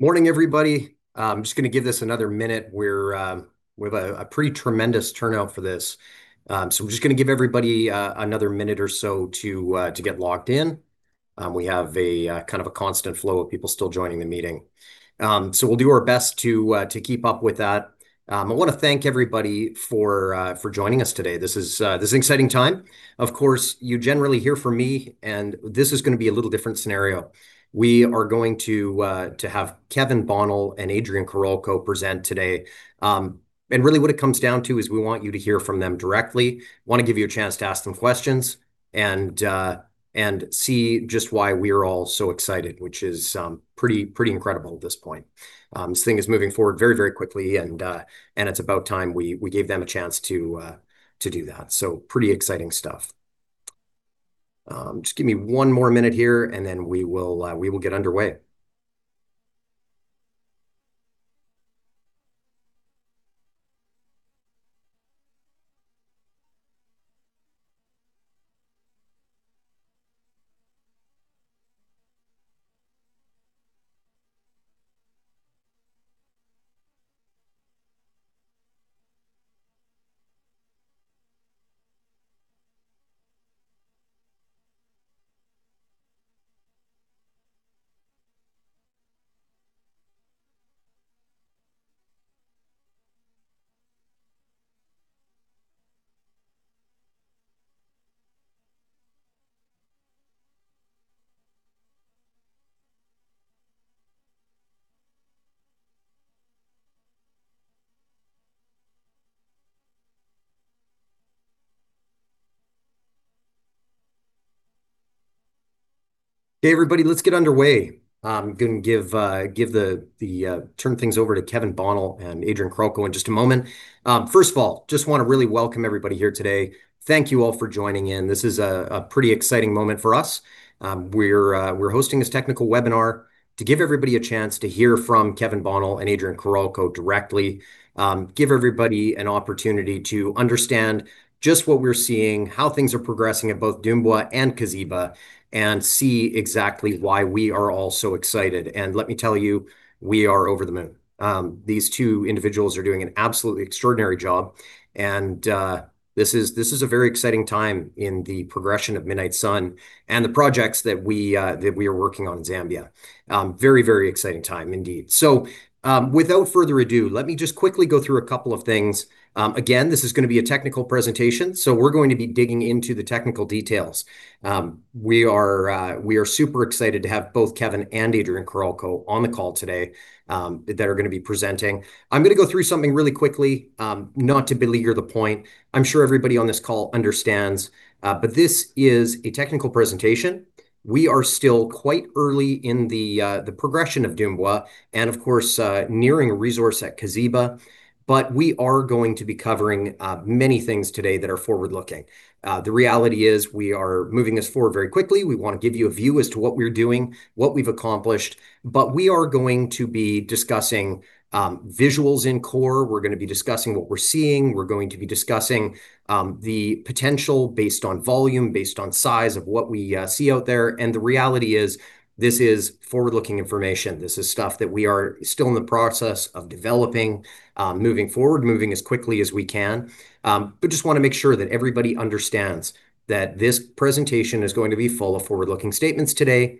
Morning, everybody. I'm just going to give this another minute. We're—we have a pretty tremendous turnout for this. So we're just going to give everybody another minute or so to get logged in. We have a kind of a constant flow of people still joining the meeting. So we'll do our best to keep up with that. I want to thank everybody for joining us today. This is an exciting time. Of course, you generally hear from me, and this is going to be a little different scenario. We are going to have Kevin Bonyai and Adrian Karolko present today. And really, what it comes down to is we want you to hear from them directly. Want to give you a chance to ask them questions and see just why we are all so excited, which is pretty incredible at this point. This thing is moving forward very, very quickly, and it's about time we gave them a chance to do that, so pretty exciting stuff. Just give me one more minute here, and then we will get underway. Hey, everybody. Let's get underway. I'm going to turn things over to Kevin Bonyai and Adrian Karolko in just a moment. First of all, just want to really welcome everybody here today. Thank you all for joining in. This is a pretty exciting moment for us. We're hosting this technical webinar to give everybody a chance to hear from Kevin Bonyai and Adrian Karolko directly. Give everybody an opportunity to understand just what we're seeing, how things are progressing at both Dumbwa and Kazhiba, and see exactly why we are all so excited, and let me tell you, we are over the moon. These two individuals are doing an absolutely extraordinary job. And this is a very exciting time in the progression of Midnight Sun and the projects that we are working on in Zambia. Very, very exciting time, indeed. So without further ado, let me just quickly go through a couple of things. Again, this is going to be a technical presentation, so we're going to be digging into the technical details. We are super excited to have both Kevin and Adrian Karolko on the call today that are going to be presenting. I'm going to go through something really quickly, not to belittle the point. I'm sure everybody on this call understands, but this is a technical presentation. We are still quite early in the progression of Dumbwa and, of course, nearing a resource at Kazhiba. But we are going to be covering many things today that are forward-looking. The reality is we are moving this forward very quickly. We want to give you a view as to what we're doing, what we've accomplished, but we are going to be discussing visuals in core. We're going to be discussing what we're seeing. We're going to be discussing the potential based on volume, based on size of what we see out there, and the reality is this is forward-looking information. This is stuff that we are still in the process of developing, moving forward, moving as quickly as we can, but just want to make sure that everybody understands that this presentation is going to be full of forward-looking statements today.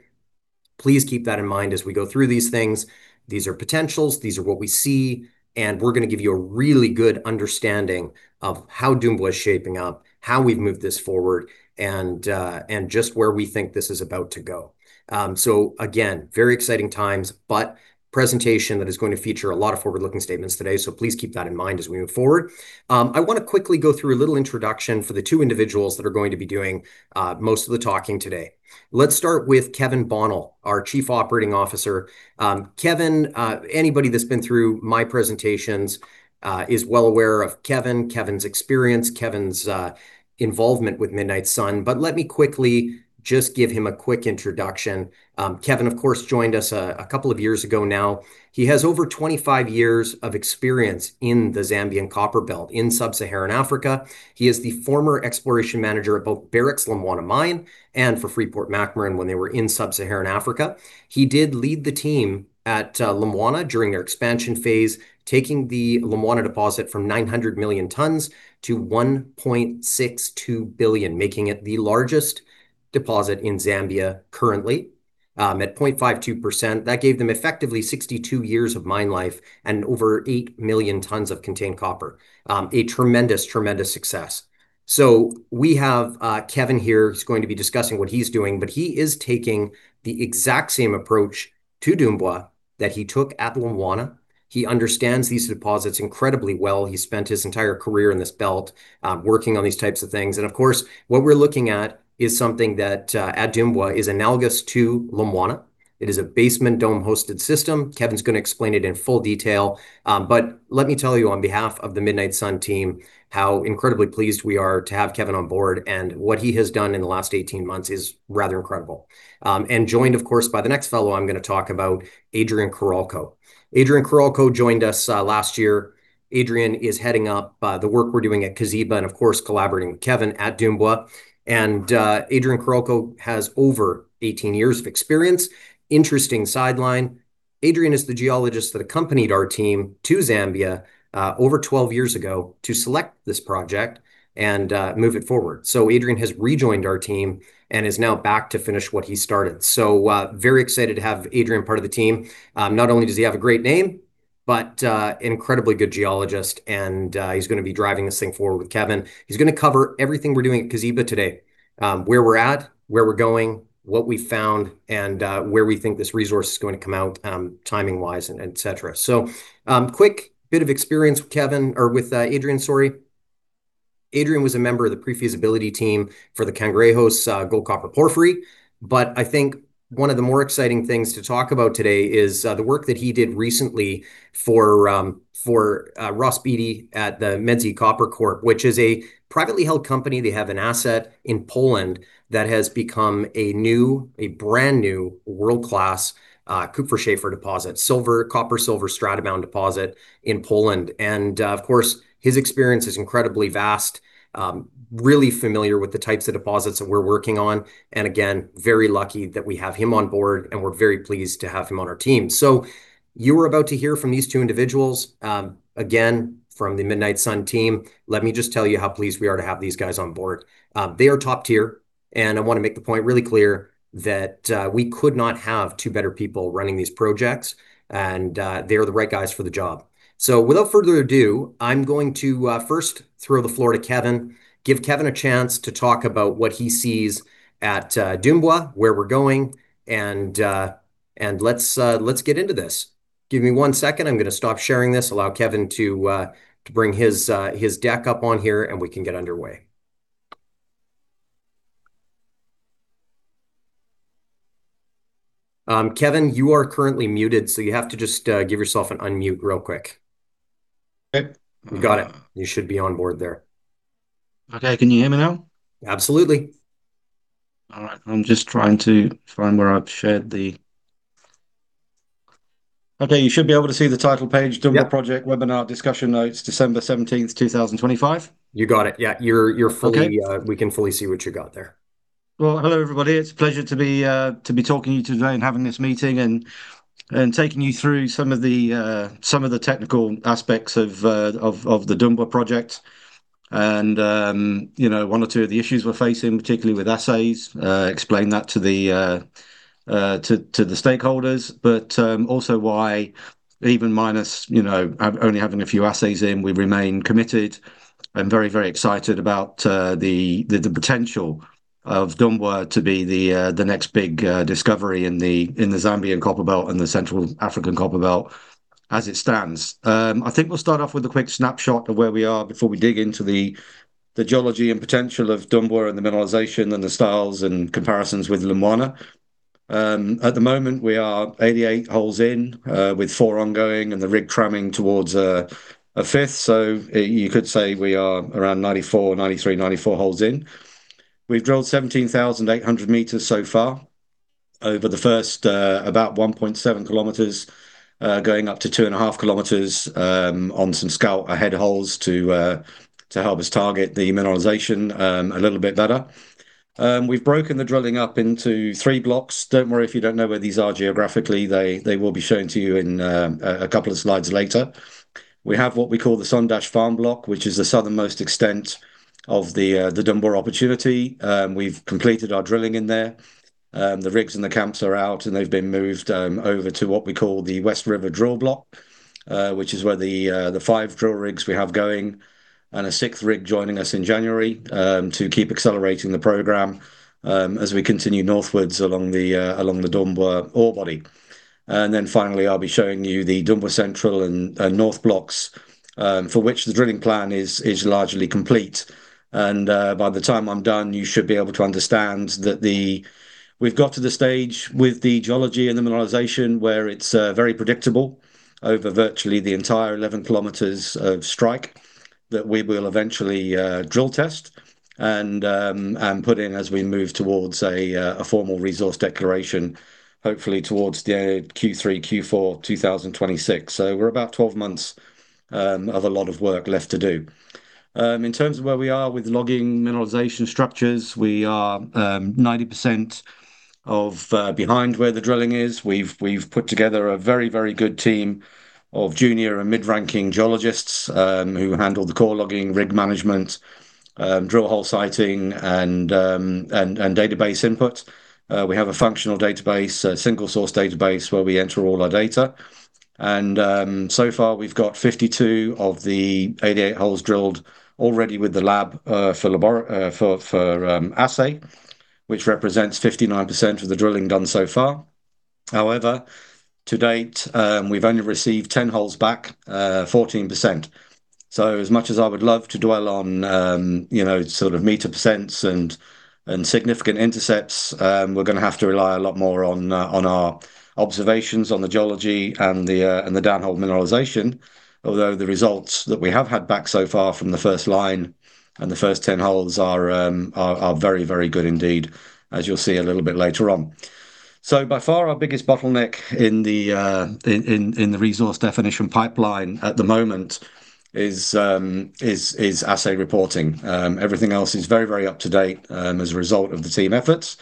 Please keep that in mind as we go through these things. These are potentials. These are what we see. We're going to give you a really good understanding of how Dumbwa is shaping up, how we've moved this forward, and just where we think this is about to go. Again, very exciting times, but a presentation that is going to feature a lot of forward-looking statements today. Please keep that in mind as we move forward. I want to quickly go through a little introduction for the two individuals that are going to be doing most of the talking today. Let's start with Kevin Bonyai, our Chief Operating Officer. Kevin, anybody that's been through my presentations is well aware of Kevin, Kevin's experience, Kevin's involvement with Midnight Sun. But let me quickly just give him a quick introduction. Kevin, of course, joined us a couple of years ago now. He has over 25 years of experience in the Zambian copper belt in sub-Saharan Africa. He is the former exploration manager at both Barrick Lumwana Mine and for Freeport-McMoRan when they were in sub-Saharan Africa. He did lead the team at Lumwana during their expansion phase, taking the Lumwana deposit from 900 million tons to 1.62 billion, making it the largest deposit in Zambia currently at 0.52%. That gave them effectively 62 years of mine life and over eight million tons of contained copper. A tremendous, tremendous success, so we have Kevin here. He's going to be discussing what he's doing, but he is taking the exact same approach to Dumbwa that he took at Lumwana. He understands these deposits incredibly well. He spent his entire career in this belt working on these types of things, and of course, what we're looking at is something that at Dumbwa is analogous to Lumwana. It is a basement dome-hosted system. Kevin's going to explain it in full detail. But let me tell you on behalf of the Midnight Sun team how incredibly pleased we are to have Kevin on board. And what he has done in the last 18 months is rather incredible. And joined, of course, by the next fellow I'm going to talk about, Adrian Karolko. Adrian Karolko joined us last year. Adrian is heading up the work we're doing at Kazhiba and, of course, collaborating with Kevin at Dumbwa. And Adrian Karolko has over 18 years of experience. Interesting sideline. Adrian is the geologist that accompanied our team to Zambia over 12 years ago to select this project and move it forward. So Adrian has rejoined our team and is now back to finish what he started. So very excited to have Adrian part of the team. Not only does he have a great name, but an incredibly good geologist, and he's going to be driving this thing forward with Kevin. He's going to cover everything we're doing at Kazhiba today: where we're at, where we're going, what we found, and where we think this resource is going to come out timing-wise, etc., so quick bit of experience with Kevin or with Adrian, sorry. Adrian was a member of the pre-feasibility team for the Cangrejos gold-copper porphyry, but I think one of the more exciting things to talk about today is the work that he did recently for Ross Beaty at the Miedzi Copper Corp, which is a privately held company. They have an asset in Poland that has become a brand new world-class Kupferschiefer deposit, copper-silver strata-bound deposit in Poland. And of course, his experience is incredibly vast, really familiar with the types of deposits that we're working on. And again, very lucky that we have him on board, and we're very pleased to have him on our team. So you are about to hear from these two individuals. Again, from the Midnight Sun team, let me just tell you how pleased we are to have these guys on board. They are top tier. And I want to make the point really clear that we could not have two better people running these projects. And they are the right guys for the job. So without further ado, I'm going to first throw the floor to Kevin, give Kevin a chance to talk about what he sees at Dumbwa, where we're going. And let's get into this. Give me one second. I'm going to stop sharing this. Allow Kevin to bring his deck up on here, and we can get underway. Kevin, you are currently muted, so you have to just give yourself an unmute real quick. Okay. You got it. You should be on board there. Okay. Can you hear me now? Absolutely. All right. I'm just trying to find where I've shared the, okay, you should be able to see the title page, Dumbwa Project Webinar Discussion Notes, December 17th, 2025. You got it. Yeah. We can fully see what you got there. Hello, everybody. It's a pleasure to be talking to you today and having this meeting and taking you through some of the technical aspects of the Dumbwa project and one or two of the issues we're facing, particularly with assays, explain that to the stakeholders, but also why, even minus only having a few assays in, we remain committed. I'm very, very excited about the potential of Dumbwa to be the next big discovery in the Zambian Copperbelt and the Central African Copperbelt as it stands. I think we'll start off with a quick snapshot of where we are before we dig into the geology and potential of Dumbwa and the mineralization and the styles and comparisons with Lumwana. At the moment, we are 88 holes in with four ongoing and the rig ramping towards a fifth. So you could say we are around 93, 94 holes in. We've drilled 17,800 m so far over the first about 1.7 km, going up to 2.5 km on some scout ahead holes to help us target the mineralization a little bit better. We've broken the drilling up into three blocks. Don't worry if you don't know where these are geographically. They will be shown to you in a couple of slides later. We have what we call the Sondashi Farm Block, which is the Southernmost extent of the Dumbwa opportunity. We've completed our drilling in there. The rigs and the camps are out, and they've been moved over to what we call the West River Drill Block, which is where the five drill rigs we have going and a sixth rig joining us in January to keep accelerating the program as we continue Northward along the Dumbwa ore body, and then finally, I'll be showing you the Dumbwa Central and North Blocks, for which the drilling plan is largely complete, and by the time I'm done, you should be able to understand that we've got to the stage with the geology and the mineralization where it's very predictable over virtually the entire 11 km of strike that we will eventually drill test and put in as we move towards a formal resource declaration, hopefully towards the end of Q3, Q4 2026, so we're about 12 months of a lot of work left to do. In terms of where we are with logging mineralization structures, we are 90% behind where the drilling is. We've put together a very, very good team of junior and mid-ranking geologists who handle the core logging, rig management, drill hole siting, and database input. We have a functional database, a single-source database where we enter all our data. And so far, we've got 52 of the 88 holes drilled already with the lab for assay, which represents 59% of the drilling done so far. However, to date, we've only received 10 holes back, 14%. So as much as I would love to dwell on sort of meter percents and significant intercepts, we're going to have to rely a lot more on our observations on the geology and the down-hole mineralization, although the results that we have had back so far from the first line and the first 10 holes are very, very good indeed, as you'll see a little bit later on. So by far, our biggest bottleneck in the resource definition pipeline at the moment is assay reporting. Everything else is very, very up to date as a result of the team efforts.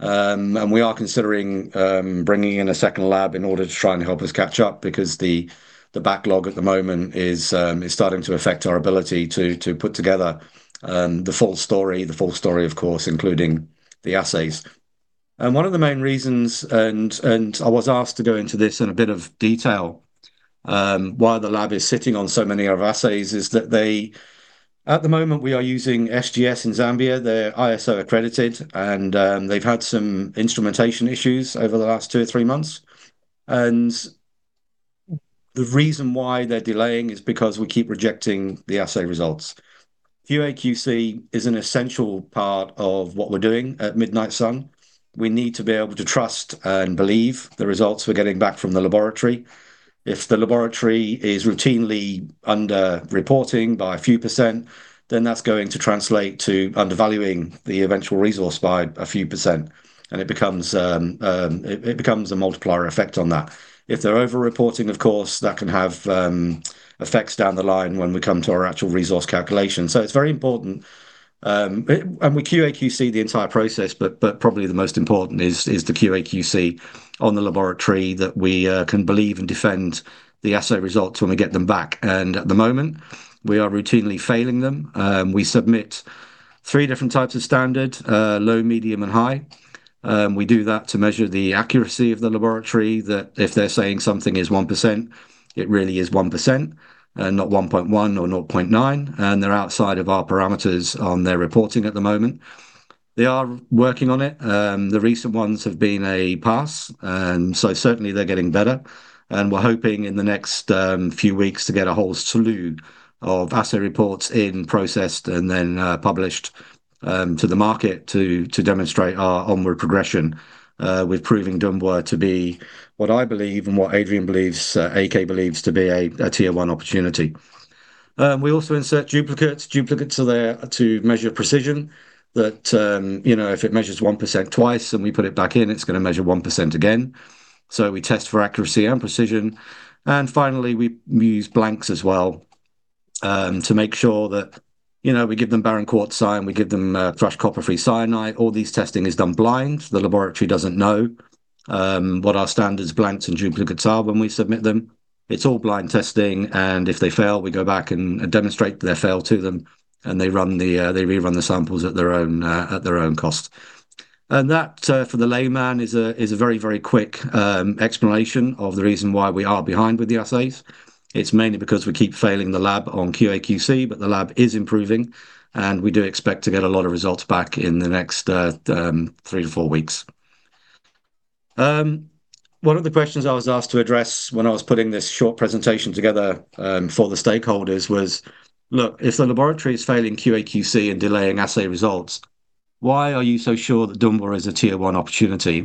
And we are considering bringing in a second lab in order to try and help us catch up because the backlog at the moment is starting to affect our ability to put together the full story, the full story, of course, including the assays. And one of the main reasons, and I was asked to go into this in a bit of detail, why the lab is sitting on so many of our assays is that at the moment, we are using SGS in Zambia. They're ISO Accredited, and they've had some instrumentation issues over the last two or three months. And the reason why they're delaying is because we keep rejecting the assay results. QA/QC is an essential part of what we're doing at Midnight Sun. We need to be able to trust and believe the results we're getting back from the laboratory. If the laboratory is routinely under-reporting by a few percent, then that's going to translate to undervaluing the eventual resource by a few percent. And it becomes a multiplier effect on that. If they're over-reporting, of course, that can have effects down the line when we come to our actual resource calculation. So it's very important. And we QA/QC the entire process, but probably the most important is the QA/QC on the laboratory that we can believe and defend the assay results when we get them back. And at the moment, we are routinely failing them. We submit three different types of standard: low, medium, and high. We do that to measure the accuracy of the laboratory, that if they're saying something is 1%, it really is 1%, not 1.1% or 0.9%. And they're outside of our parameters on their reporting at the moment. They are working on it. The recent ones have been a pass. So certainly, they're getting better. We're hoping in the next few weeks to get a whole slew of assay reports in, processed, and then published to the market to demonstrate our onward progression with proving Dumbwa to be what I believe and what Adrian believes, AK believes to be a tier-one opportunity. We also insert duplicates. Duplicates are there to measure precision, that if it measures 1% twice and we put it back in, it's going to measure 1% again. So we test for accuracy and precision. And finally, we use blanks as well to make sure that we give them barren quartz clean, we give them fresh copper-free cyanide. All these testing is done blind. The laboratory doesn't know what our standards, blanks and duplicates are when we submit them. It's all blind testing. And if they fail, we go back and demonstrate their failure to them. They rerun the samples at their own cost. That for the layman is a very, very quick explanation of the reason why we are behind with the assays. It's mainly because we keep failing the lab on QA/QC, but the lab is improving. We do expect to get a lot of results back in the next three to four weeks. One of the questions I was asked to address when I was putting this short presentation together for the stakeholders was, "Look, if the laboratory is failing QA/QC and delaying assay results, why are you so sure that Dumbwa is a tier-one opportunity?"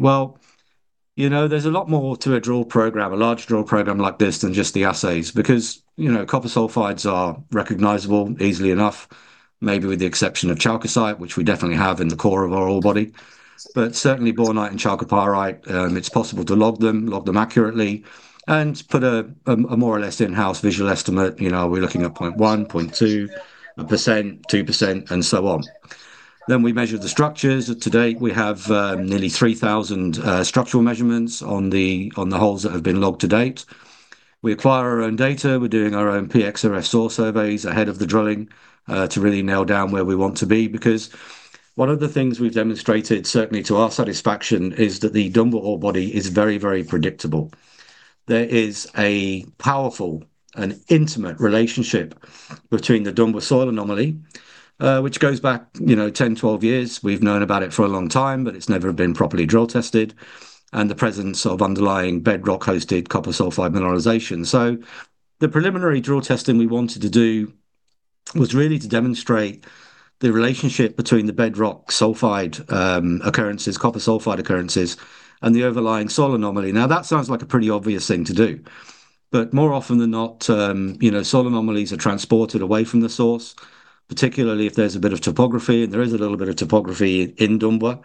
There's a lot more to a drill program, a large drill program like this, than just the assays because copper sulfides are recognizable easily enough, maybe with the exception of chalcocite, which we definitely have in the core of our ore body. But certainly, bornite and chalcopyrite, it's possible to log them accurately, and put a more or less in-house visual estimate. We're looking at 0.1%, 0.2%, 1%, 2%, and so on. Then we measure the structures. To date, we have nearly 3,000 structural measurements on the holes that have been logged to date. We acquire our own data. We're doing our own PXRF soil surveys ahead of the drilling to really nail down where we want to be because one of the things we've demonstrated, certainly to our satisfaction, is that the Dumbwa ore body is very, very predictable. There is a powerful and intimate relationship between the Dumbwa soil anomaly, which goes back 10, 12 years. We've known about it for a long time, but it's never been properly drill tested, and the presence of underlying bedrock-hosted copper sulfide mineralization. The preliminary drill testing we wanted to do was really to demonstrate the relationship between the bedrock sulfide occurrences, copper sulfide occurrences, and the overlying soil anomaly. Now, that sounds like a pretty obvious thing to do. But more often than not, soil anomalies are transported away from the source, particularly if there's a bit of topography, and there is a little bit of topography in Dumbwa.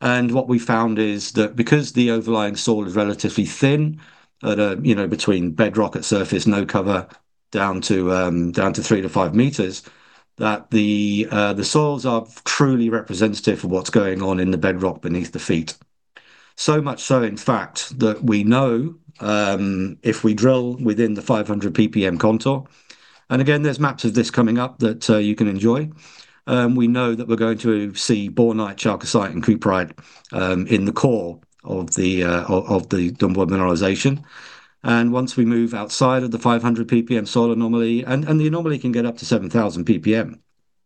And what we found is that because the overlying soil is relatively thin between bedrock at surface, no cover down to 3 to 5 m, that the soils are truly representative of what's going on in the bedrock beneath the feet. So much so, in fact, that we know if we drill within the 500 PPM contour, and again, there's maps of this coming up that you can enjoy, we know that we're going to see bornite, chalcocite, and cuprite in the core of the Dumbwa mineralization, and once we move outside of the 500 PPM soil anomaly, and the anomaly can get up to 7,000 PPM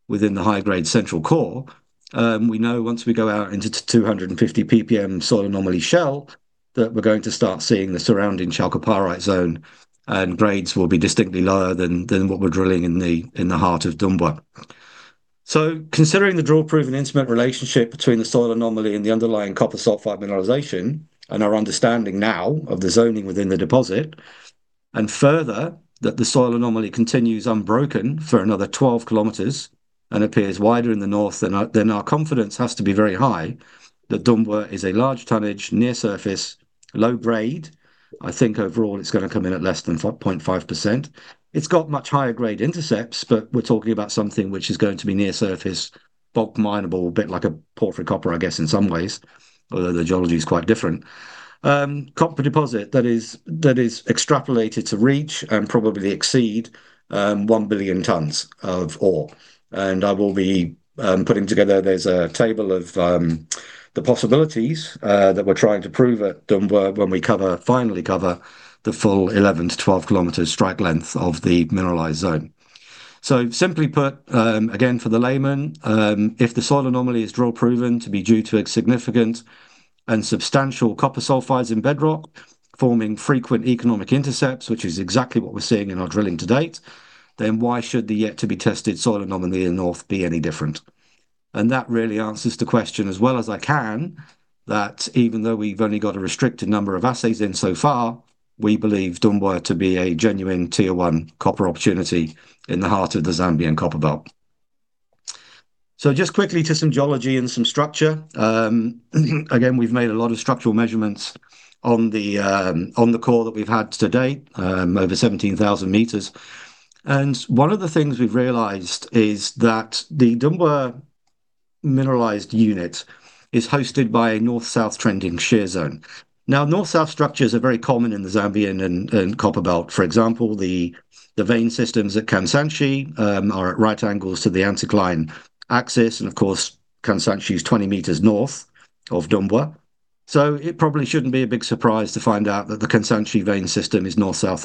within the high-grade central core, we know once we go out into the 250 PPM soil anomaly shell that we're going to start seeing the surrounding chalcopyrite zone, and grades will be distinctly lower than what we're drilling in the heart of Dumbwa. Considering the drill-proven in-situ relationship between the soil anomaly and the underlying copper sulfide mineralization and our understanding now of the zoning within the deposit, and further that the soil anomaly continues unbroken for another 12 km and appears wider in the North, then our confidence has to be very high that Dumbwa is a large tonnage, near-surface, low-grade. I think overall, it's going to come in at less than 0.5%. It's got much higher-grade intercepts, but we're talking about something which is going to be near-surface, open-pit minable, a bit like a porphyry copper, I guess, in some ways, although the geology is quite different. Copper deposit that is extrapolated to reach and probably exceed one billion tons of ore. And I will be putting together there's a table of the possibilities that we're trying to prove at Dumbwa when we finally cover the full 11 to 12 km strike length of the mineralized zone. So simply put, again, for the layman, if the soil anomaly is drill-proven to be due to its significant and substantial copper sulfides in bedrock forming frequent economic intercepts, which is exactly what we're seeing in our drilling to date, then why should the yet-to-be-tested soil anomaly in the North be any different? And that really answers the question as well as I can, that even though we've only got a restricted number of assays in so far, we believe Dumbwa to be a genuine tier-one copper opportunity in the heart of the Zambian Copperbelt. So just quickly to some geology and some structure. Again, we've made a lot of structural measurements on the core that we've had to date over 17,000 m. One of the things we've realized is that the Dumbwa mineralized unit is hosted by a North-South trending shear zone. North-South structures are very common in the Zambian Copperbelt. For example, the vein systems at Kansanshi are at right angles to the anticline axis. Of course, Kansanshi is 20 m North of Dumbwa. It probably shouldn't be a big surprise to find out that the Kansanshi vein system is North-South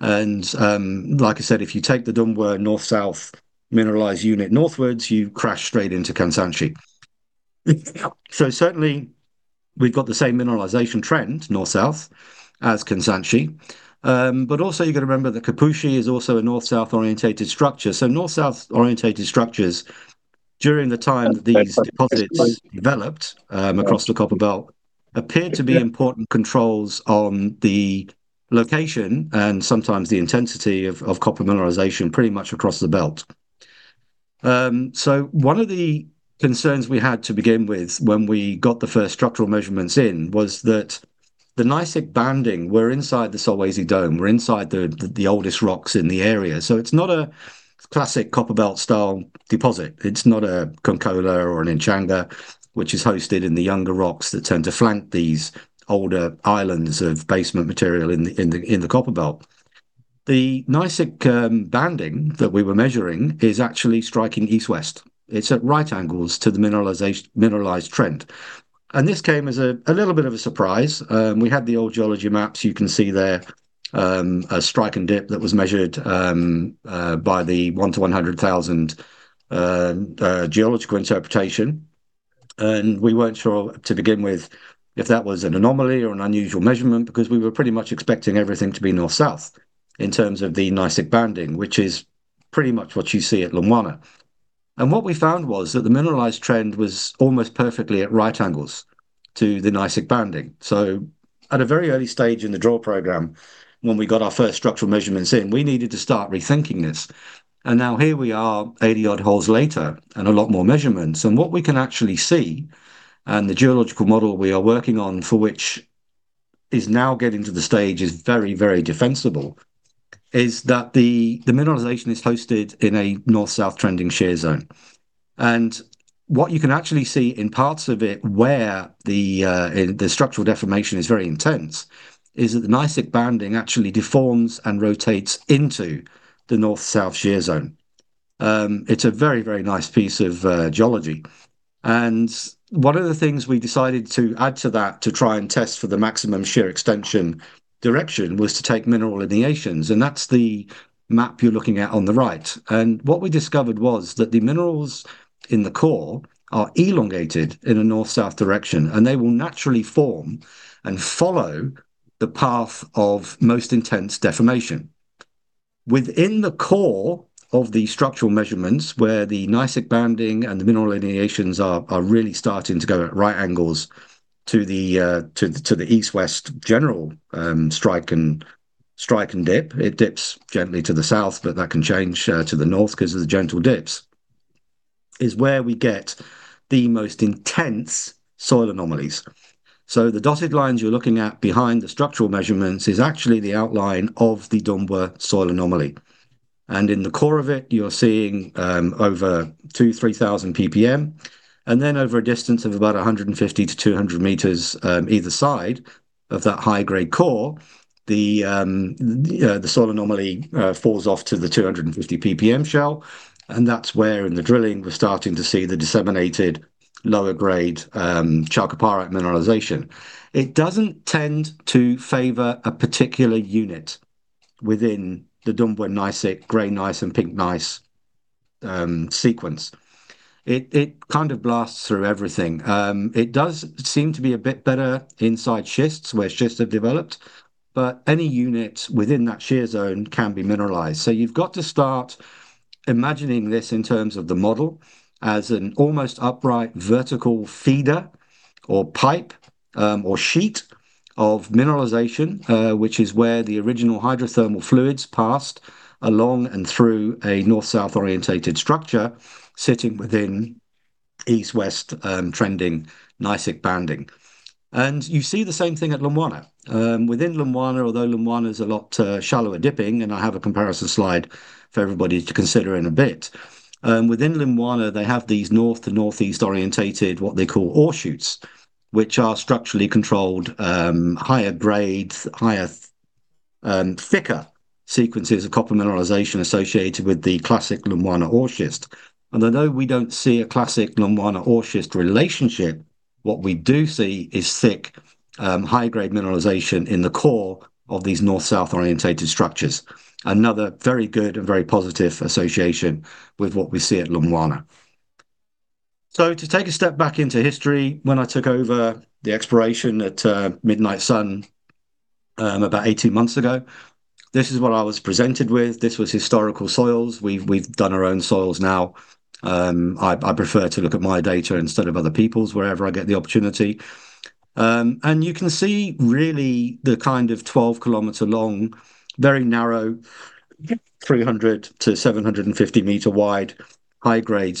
oriented. Like I said, if you take the Dumbwa North-South mineralized unit Northwards, you crash straight into Kansanshi. Certainly, we've got the same mineralization trend, North-South, as Kansanshi. You've got to remember that Kazhiba is also a North-South oriented structure. North-South oriented structures, during the time that these deposits developed across the copper belt, appeared to be important controls on the location and sometimes the intensity of copper mineralization pretty much across the belt. One of the concerns we had to begin with when we got the first structural measurements in was that the gneissic banding were inside the Solwezi Dome, were inside the oldest rocks in the area. It's not a classic copper belt-style deposit. It's not a Konkola or a Nchanga, which is hosted in the younger rocks that tend to flank these older islands of basement material in the copper belt. The gneissic banding that we were measuring is actually striking East-West. It's at right angles to the mineralized trend. This came as a little bit of a surprise. We had the old geology maps. You can see there a strike and dip that was measured by the 1:100,000 geological interpretation, and we weren't sure to begin with if that was an anomaly or an unusual measurement because we were pretty much expecting everything to be North-South in terms of the gneissic banding, which is pretty much what you see at Lumwana, and what we found was that the mineralized trend was almost perfectly at right angles to the gneissic banding, so at a very early stage in the drill program, when we got our first structural measurements in, we needed to start rethinking this, and now here we are, 80-odd holes later and a lot more measurements. What we can actually see, and the geological model we are working on, for which is now getting to the stage, is very, very defensible, is that the mineralization is hosted in a North-South trending shear zone. What you can actually see in parts of it where the structural deformation is very intense is that the Gneissic banding actually deforms and rotates into the North-South shear zone. It's a very, very nice piece of geology. One of the things we decided to add to that to try and test for the maximum shear extension direction was to take mineral lineations. That's the map you're looking at on the right. What we discovered was that the minerals in the core are elongated in a North-South direction, and they will naturally form and follow the path of most intense deformation. Within the core of the structural measurements where the gneissic banding and the mineral lineations are really starting to go at right angles to the East-West general strike and dip, it dips gently to the South, but that can change to the North because of the gentle dips, is where we get the most intense soil anomalies. So the dotted lines you're looking at behind the structural measurements is actually the outline of the Dumbwa soil anomaly. And in the core of it, you're seeing over 2,000 to 3,000 PPM. And then over a distance of about 150 to 200 m either side of that high-grade core, the soil anomaly falls off to the 250 PPM shell. And that's where in the drilling we're starting to see the disseminated lower-grade chalcopyrite mineralization. It doesn't tend to favor a particular unit within the Dumbwa gneissic gray gneiss and pink gneiss sequence. It kind of blasts through everything. It does seem to be a bit better inside schists where schists have developed, but any unit within that shear zone can be mineralized. So you've got to start imagining this in terms of the model as an almost upright vertical feeder or pipe or sheet of mineralization, which is where the original hydrothermal fluids passed along and through a North-South oriented structure sitting within East-West trending gneissic banding. And you see the same thing at Lumwana. Within Lumwana, although Lumwana is a lot shallower dipping, and I have a comparison slide for everybody to consider in a bit, within Lumwana, they have these North to NorthEast oriented, what they call ore shoots, which are structurally controlled higher grade, higher thicker sequences of copper mineralization associated with the classic Lumwana ore schist. And although we don't see a classic Lumwana ore schist relationship, what we do see is thick, high-grade mineralization in the core of these North-South oriented structures. Another very good and very positive association with what we see at Lumwana. So to take a step back into history, when I took over the exploration at Midnight Sun about 18 months ago, this is what I was presented with. This was historical soils. We've done our own soils now. I prefer to look at my data instead of other people's wherever I get the opportunity. And you can see really the kind of 12 km long, very narrow, 300 to 750 m wide high-grade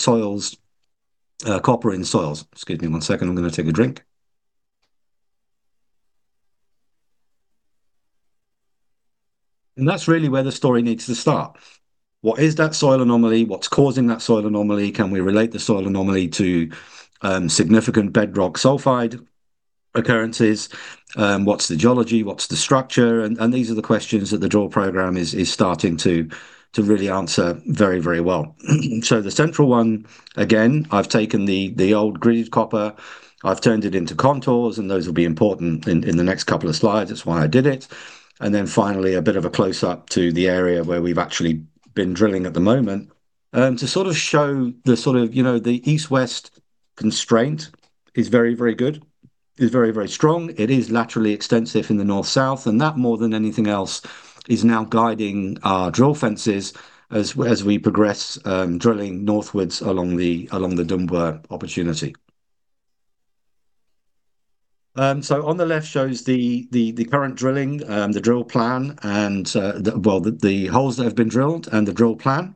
soils, copper in soils. Excuse me one second. I'm going to take a drink. And that's really where the story needs to start. What is that soil anomaly? What's causing that soil anomaly? Can we relate the soil anomaly to significant bedrock sulfide occurrences? What's the geology? What's the structure? And these are the questions that the drill program is starting to really answer very, very well. So the central one, again, I've taken the old gridded copper. I've turned it into contours, and those will be important in the next couple of slides. That's why I did it. And then finally, a bit of a close-up to the area where we've actually been drilling at the moment to sort of show the sort of, you know, the East-West constraint is very, very good, is very, very strong. It is laterally extensive in the North-South, and that more than anything else is now guiding our drill fences as we progress drilling Northwards along the Dumbwa opportunity. On the left shows the current drilling, the drill plan, and, well, the holes that have been drilled and the drill plan.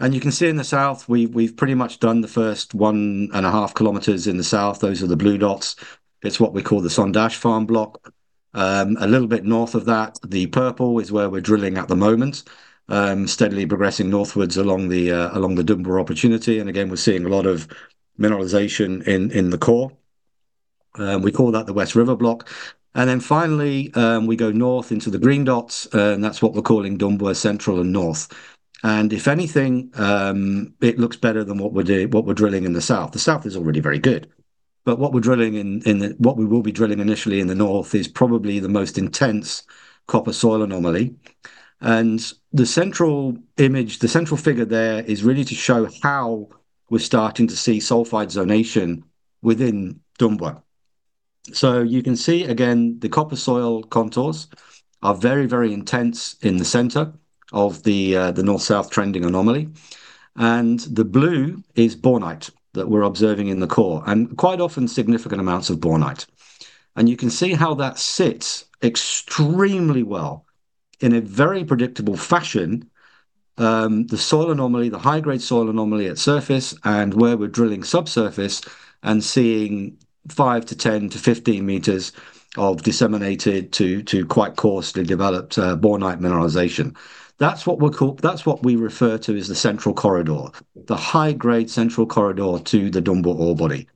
You can see in the South, we've pretty much done the first 1.5 km in the South. Those are the blue dots. It's what we call the Sandash farm block. A little bit North of that, the purple is where we're drilling at the moment, steadily progressing Northwards along the Dumbwa opportunity. And again, we're seeing a lot of mineralization in the core. We call that the West River block. And then finally, we go North into the green dots, and that's what we're calling Dumbwa central and North. And if anything, it looks better than what we're drilling in the South. The South is already very good. But what we're drilling in, what we will be drilling initially in the North is probably the most intense copper soil anomaly. And the central image, the central figure there is really to show how we're starting to see sulfide zonation within Dumbwa. So you can see, again, the copper soil contours are very, very intense in the center of the North-South trending anomaly. And the blue is bornite that we're observing in the core, and quite often significant amounts of bornite. And you can see how that sits extremely well in a very predictable fashion, the soil anomaly, the high-grade soil anomaly at surface and where we're drilling subsurface and seeing 5 to 10 to 15 m of disseminated to quite coarsely developed bornite mineralization. That's what we call, that's what we refer to as the central corridor, the high-grade central corridor to the Dumbwa ore body.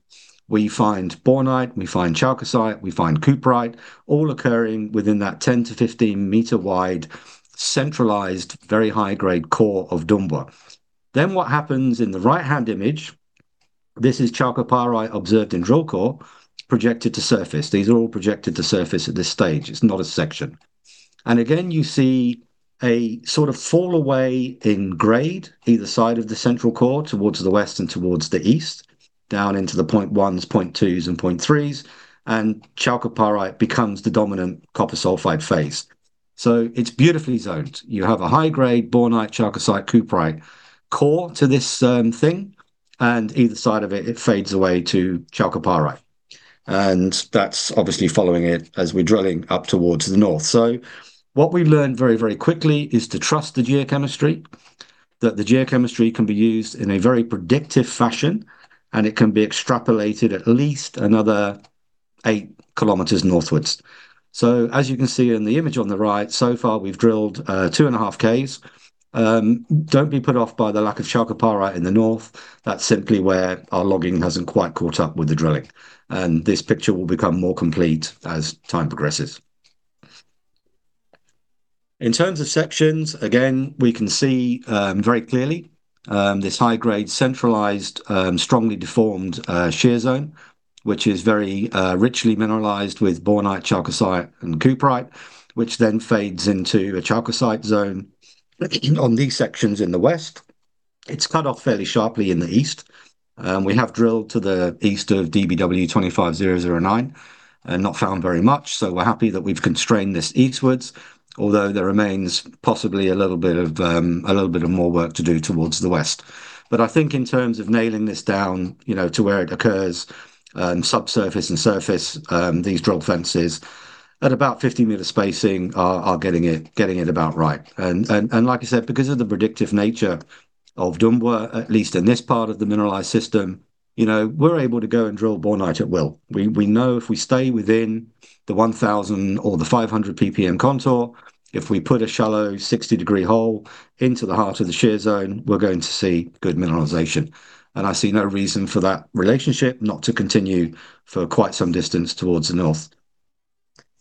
We find bornite, we find chalcocite, we find cuprite, all occurring within that 10 to 15 m wide centralized, very high-grade core of Dumbwa. Then what happens in the right-hand image, this is chalcopyrite observed in drill core projected to surface. These are all projected to surface at this stage. It's not a section, and again, you see a sort of fall away in grade either side of the central core towards the West and towards the East, down into the 0.1s, 0.2s, and 0.3s, and chalcopyrite becomes the dominant copper sulfide phase. So it's beautifully zoned. You have a high-grade bornite, chalcocite, cuprite core to this thing, and either side of it, it fades away to chalcopyrite, and that's obviously following it as we're drilling up towards the North. What we've learned very, very quickly is to trust the geochemistry, that the geochemistry can be used in a very predictive fashion, and it can be extrapolated at least another 8 km Northwards. As you can see in the image on the right, so far we've drilled two and a half Ks. Don't be put off by the lack of chalcopyrite in the North. That's simply where our logging hasn't quite caught up with the drilling. This picture will become more complete as time progresses. In terms of sections, again, we can see very clearly this high-grade centralized, strongly deformed shear zone, which is very richly mineralized with bornite, chalcocite, and cuprite, which then fades into a chalcocite zone on these sections in the West. It's cut off fairly sharply in the East. We have drilled to the East of DBW 25009 and not found very much. So we're happy that we've constrained this Eastwards, although there remains possibly a little bit more work to do towards the West. But I think in terms of nailing this down, you know, to where it occurs, subsurface and surface, these drill fences at about 50 m spacing are getting it about right. And like I said, because of the predictive nature of Dumbwa, at least in this part of the mineralized system, you know, we're able to go and drill bornite at will. We know if we stay within the 1,000 or the 500 PPM contour, if we put a shallow 60-degree hole into the heart of the shear zone, we're going to see good mineralization. And I see no reason for that relationship not to continue for quite some distance towards the North.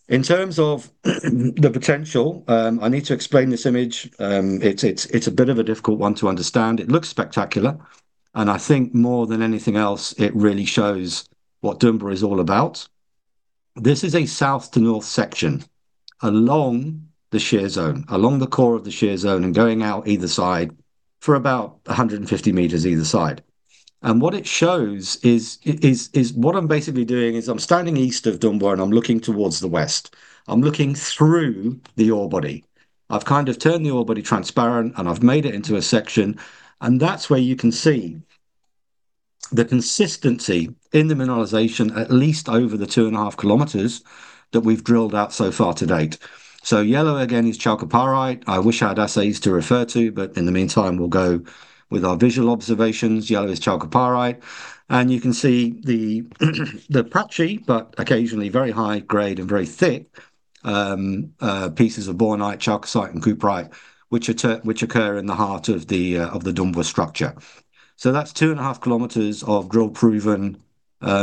In terms of the potential, I need to explain this image. It's a bit of a difficult one to understand. It looks spectacular, and I think more than anything else, it really shows what Dumbwa is all about. This is a South-to-North section along the shear zone, along the core of the shear zone and going out either side for about 150 m either side, and what it shows is what I'm basically doing is I'm standing East of Dumbwa and I'm looking towards the West. I'm looking through the ore body. I've kind of turned the ore body transparent and I've made it into a section, and that's where you can see the consistency in the mineralization, at least over the 2.5 km that we've drilled out so far to date, so yellow again is chalcopyrite. I wish I had assays to refer to, but in the meantime, we'll go with our visual observations. Yellow is chalcopyrite. You can see the patchy, but occasionally very high-grade and very thick pieces of bornite, chalcocite, and cuprite, which occur in the heart of the Dumbwa structure. So that's 2.5 km of drill-proven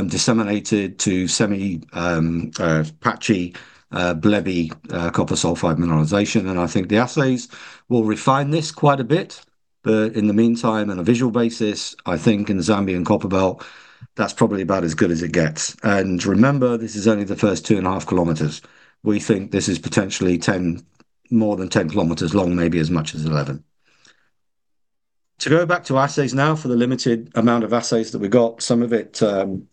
disseminated to semi-patchy blebby copper sulfide mineralization. And I think the assays will refine this quite a bit. But in the meantime, on a visual basis, I think in the Zambian copper belt, that's probably about as good as it gets. And remember, this is only the first 2.5 km. We think this is potentially more than 10 km long, maybe as much as 11. To go back to assays now, for the limited amount of assays that we got, some of it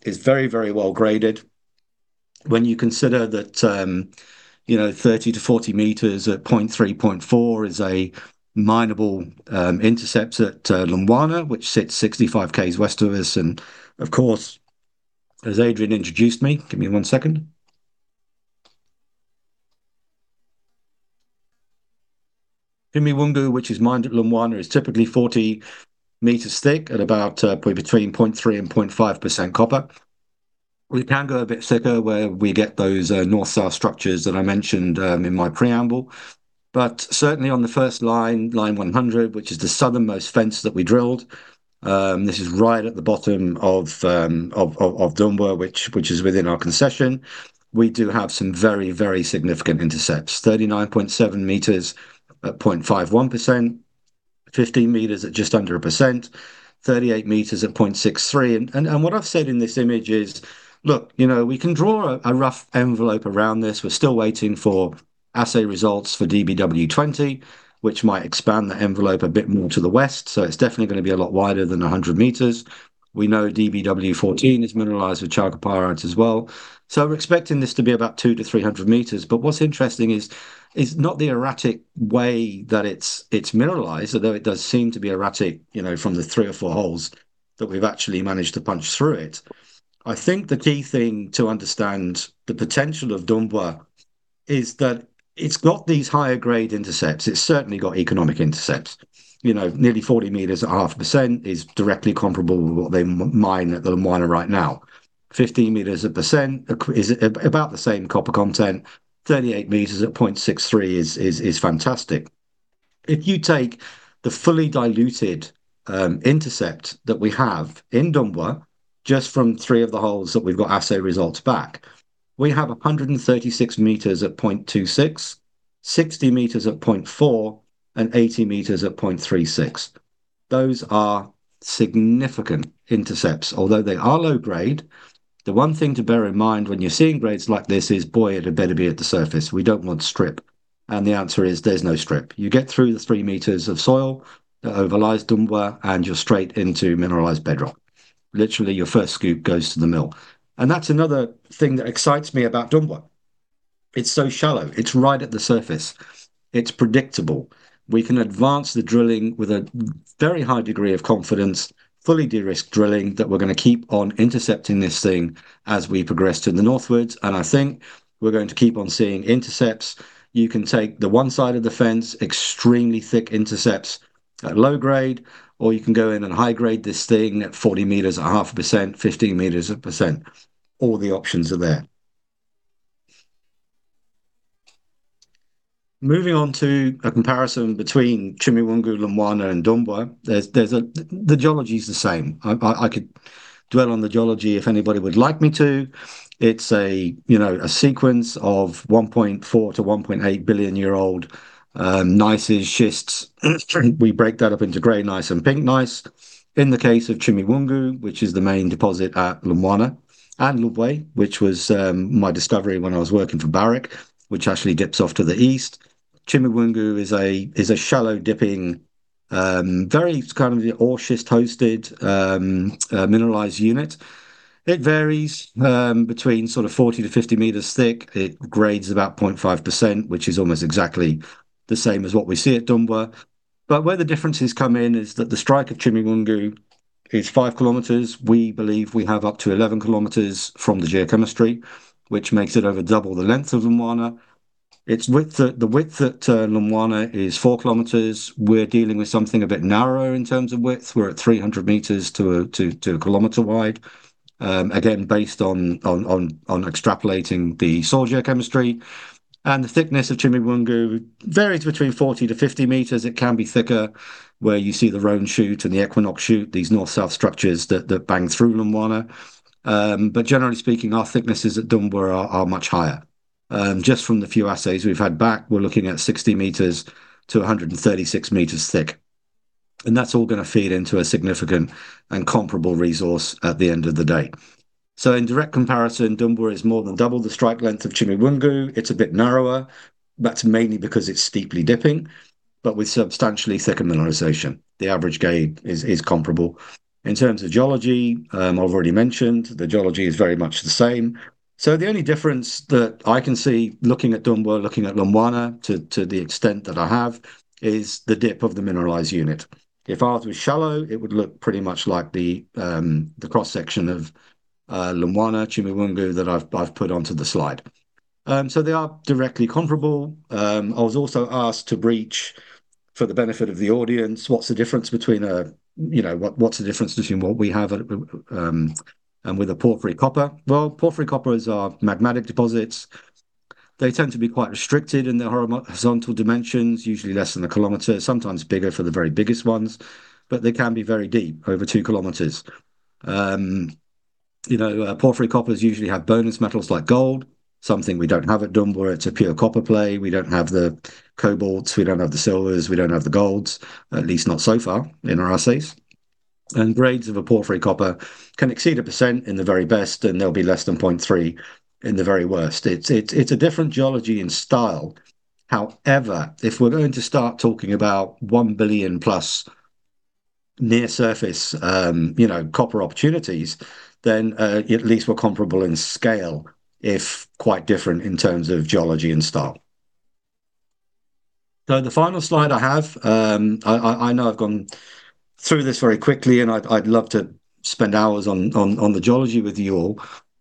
is very, very well-graded. When you consider that, you know, 30 to 40 m at 0.3%, 0.4% is a minable intercept at Lumwana, which sits 65 km West of us. And of course, as Adrian introduced me, give me one second. In Chimiwungo, which is mined at Lumwana, it's typically 40 m thick at about between 0.3% and 0.5% copper. We can go a bit thicker where we get those North-South structures that I mentioned in my preamble. But certainly on the first line, Line 100, which is the Southernmost fence that we drilled, this is right at the bottom of Dumbwa, which is within our concession. We do have some very, very significant intercepts: 39.7 m at 0.51%, 15 m at just under a percent, 38 m at 0.63%. And what I've said in this image is, look, you know, we can draw a rough envelope around this. We're still waiting for assay results for DBW 20, which might expand the envelope a bit more to the West. So it's definitely going to be a lot wider than 100 m. We know DBW 14 is mineralized with chalcopyrite as well. So we're expecting this to be about 200 to 300 m. But what's interesting is it's not the erratic way that it's mineralized, although it does seem to be erratic, you know, from the three or four holes that we've actually managed to punch through it. I think the key thing to understand the potential of Dumbwa is that it's got these higher-grade intercepts. It's certainly got economic intercepts. You know, nearly 40 m at 0.5% is directly comparable with what they mine at the Lumwana right now. 15 m at 1% is about the same copper content. 38 m at 0.63% is fantastic. If you take the fully diluted intercept that we have in Dumbwa just from three of the holes that we've got assay results back, we have 136 m at 0.26, 60 m at 0.4, and 80 m at 0.36%. Those are significant intercepts. Although they are low grade, the one thing to bear in mind when you're seeing grades like this is, boy, it'd better be at the surface. We don't want strip, and the answer is there's no strip. You get through the 3 m of soil that overlies Dumbwa and you're straight into mineralized bedrock. Literally, your first scoop goes to the mill, and that's another thing that excites me about Dumbwa. It's so shallow. It's right at the surface. It's predictable. We can advance the drilling with a very high degree of confidence, fully de-risk drilling that we're going to keep on intercepting this thing as we progress Northward. I think we're going to keep on seeing intercepts. You can take the one side of the fence, extremely thick intercepts at low grade, or you can go in and high grade this thing at 40 m at 0.5%, 15 m at 1%. All the options are there. Moving on to a comparison between Chimiwungo, Lumwana, and Dumbwa, the geology is the same. I could dwell on the geology if anybody would like me to. It's a, you know, a sequence of 1.4-1.8 billion-year-old gneisses, schists. We break that up into gray gneiss and pink gneiss. In the case of Chimiwungo, which is the main deposit at Lumwana and Lubwe, which was my discovery when I was working for Barrick, which actually dips off to the East. Chimiwungo is a shallow dipping, very kind of the ore schist hosted mineralized unit. It varies between sort of 40 to 50 m thick. It grades about 0.5%, which is almost exactly the same as what we see at Dumbwa. But where the differences come in is that the strike of Chimiwungo is 5 km. We believe we have up to 11 km from the geochemistry, which makes it over double the length of Lumwana. The width at Lumwana is 4 km2. We're dealing with something a bit narrow in terms of width. We're at 300 m to 1 km wide, again, based on extrapolating the soil geochemistry. The thickness of Chimiwungo varies between 40 to 50 m. It can be thicker where you see the Roan shoot and the Equinox shoot, these North-South structures that bang through Lumwana, but generally speaking, our thicknesses at Dumbwa are much higher. Just from the few assays we've had back, we're looking at 60 m to 136 m thick, and that's all going to feed into a significant and comparable resource at the end of the day, so in direct comparison, Dumbwa is more than double the strike length of Chimiwungo. It's a bit narrower. That's mainly because it's steeply dipping, but with substantially thicker mineralization. The average grade is comparable. In terms of geology, I've already mentioned the geology is very much the same, so the only difference that I can see looking at Dumbwa, looking at Lumwana to the extent that I have is the dip of the mineralized unit. If ours was shallow, it would look pretty much like the cross-section of Lumwana, Chimiwungo that I've put onto the slide. So they are directly comparable. I was also asked to brief, for the benefit of the audience, what's the difference between a, you know, what's the difference between what we have and with a porphyry copper? Well, porphyry coppers are magmatic deposits. They tend to be quite restricted in their horizontal dimensions, usually less than a kilometer, sometimes bigger for the very biggest ones, but they can be very deep over 2 km. You know, porphyry coppers usually have bonus metals like gold, something we don't have at Dumbwa. It's a pure copper play. We don't have the cobalts. We don't have the silvers. We don't have the golds, at least not so far in our assays. Grades of a porphyry copper can exceed 1% in the very best, and they'll be less than 0.3% in the very worst. It's a different geology and style. However, if we're going to start talking about 1 billion+ near-surface, you know, copper opportunities, then at least we're comparable in scale, if quite different in terms of geology and style. So the final slide I have, I know I've gone through this very quickly, and I'd love to spend hours on the geology with you all,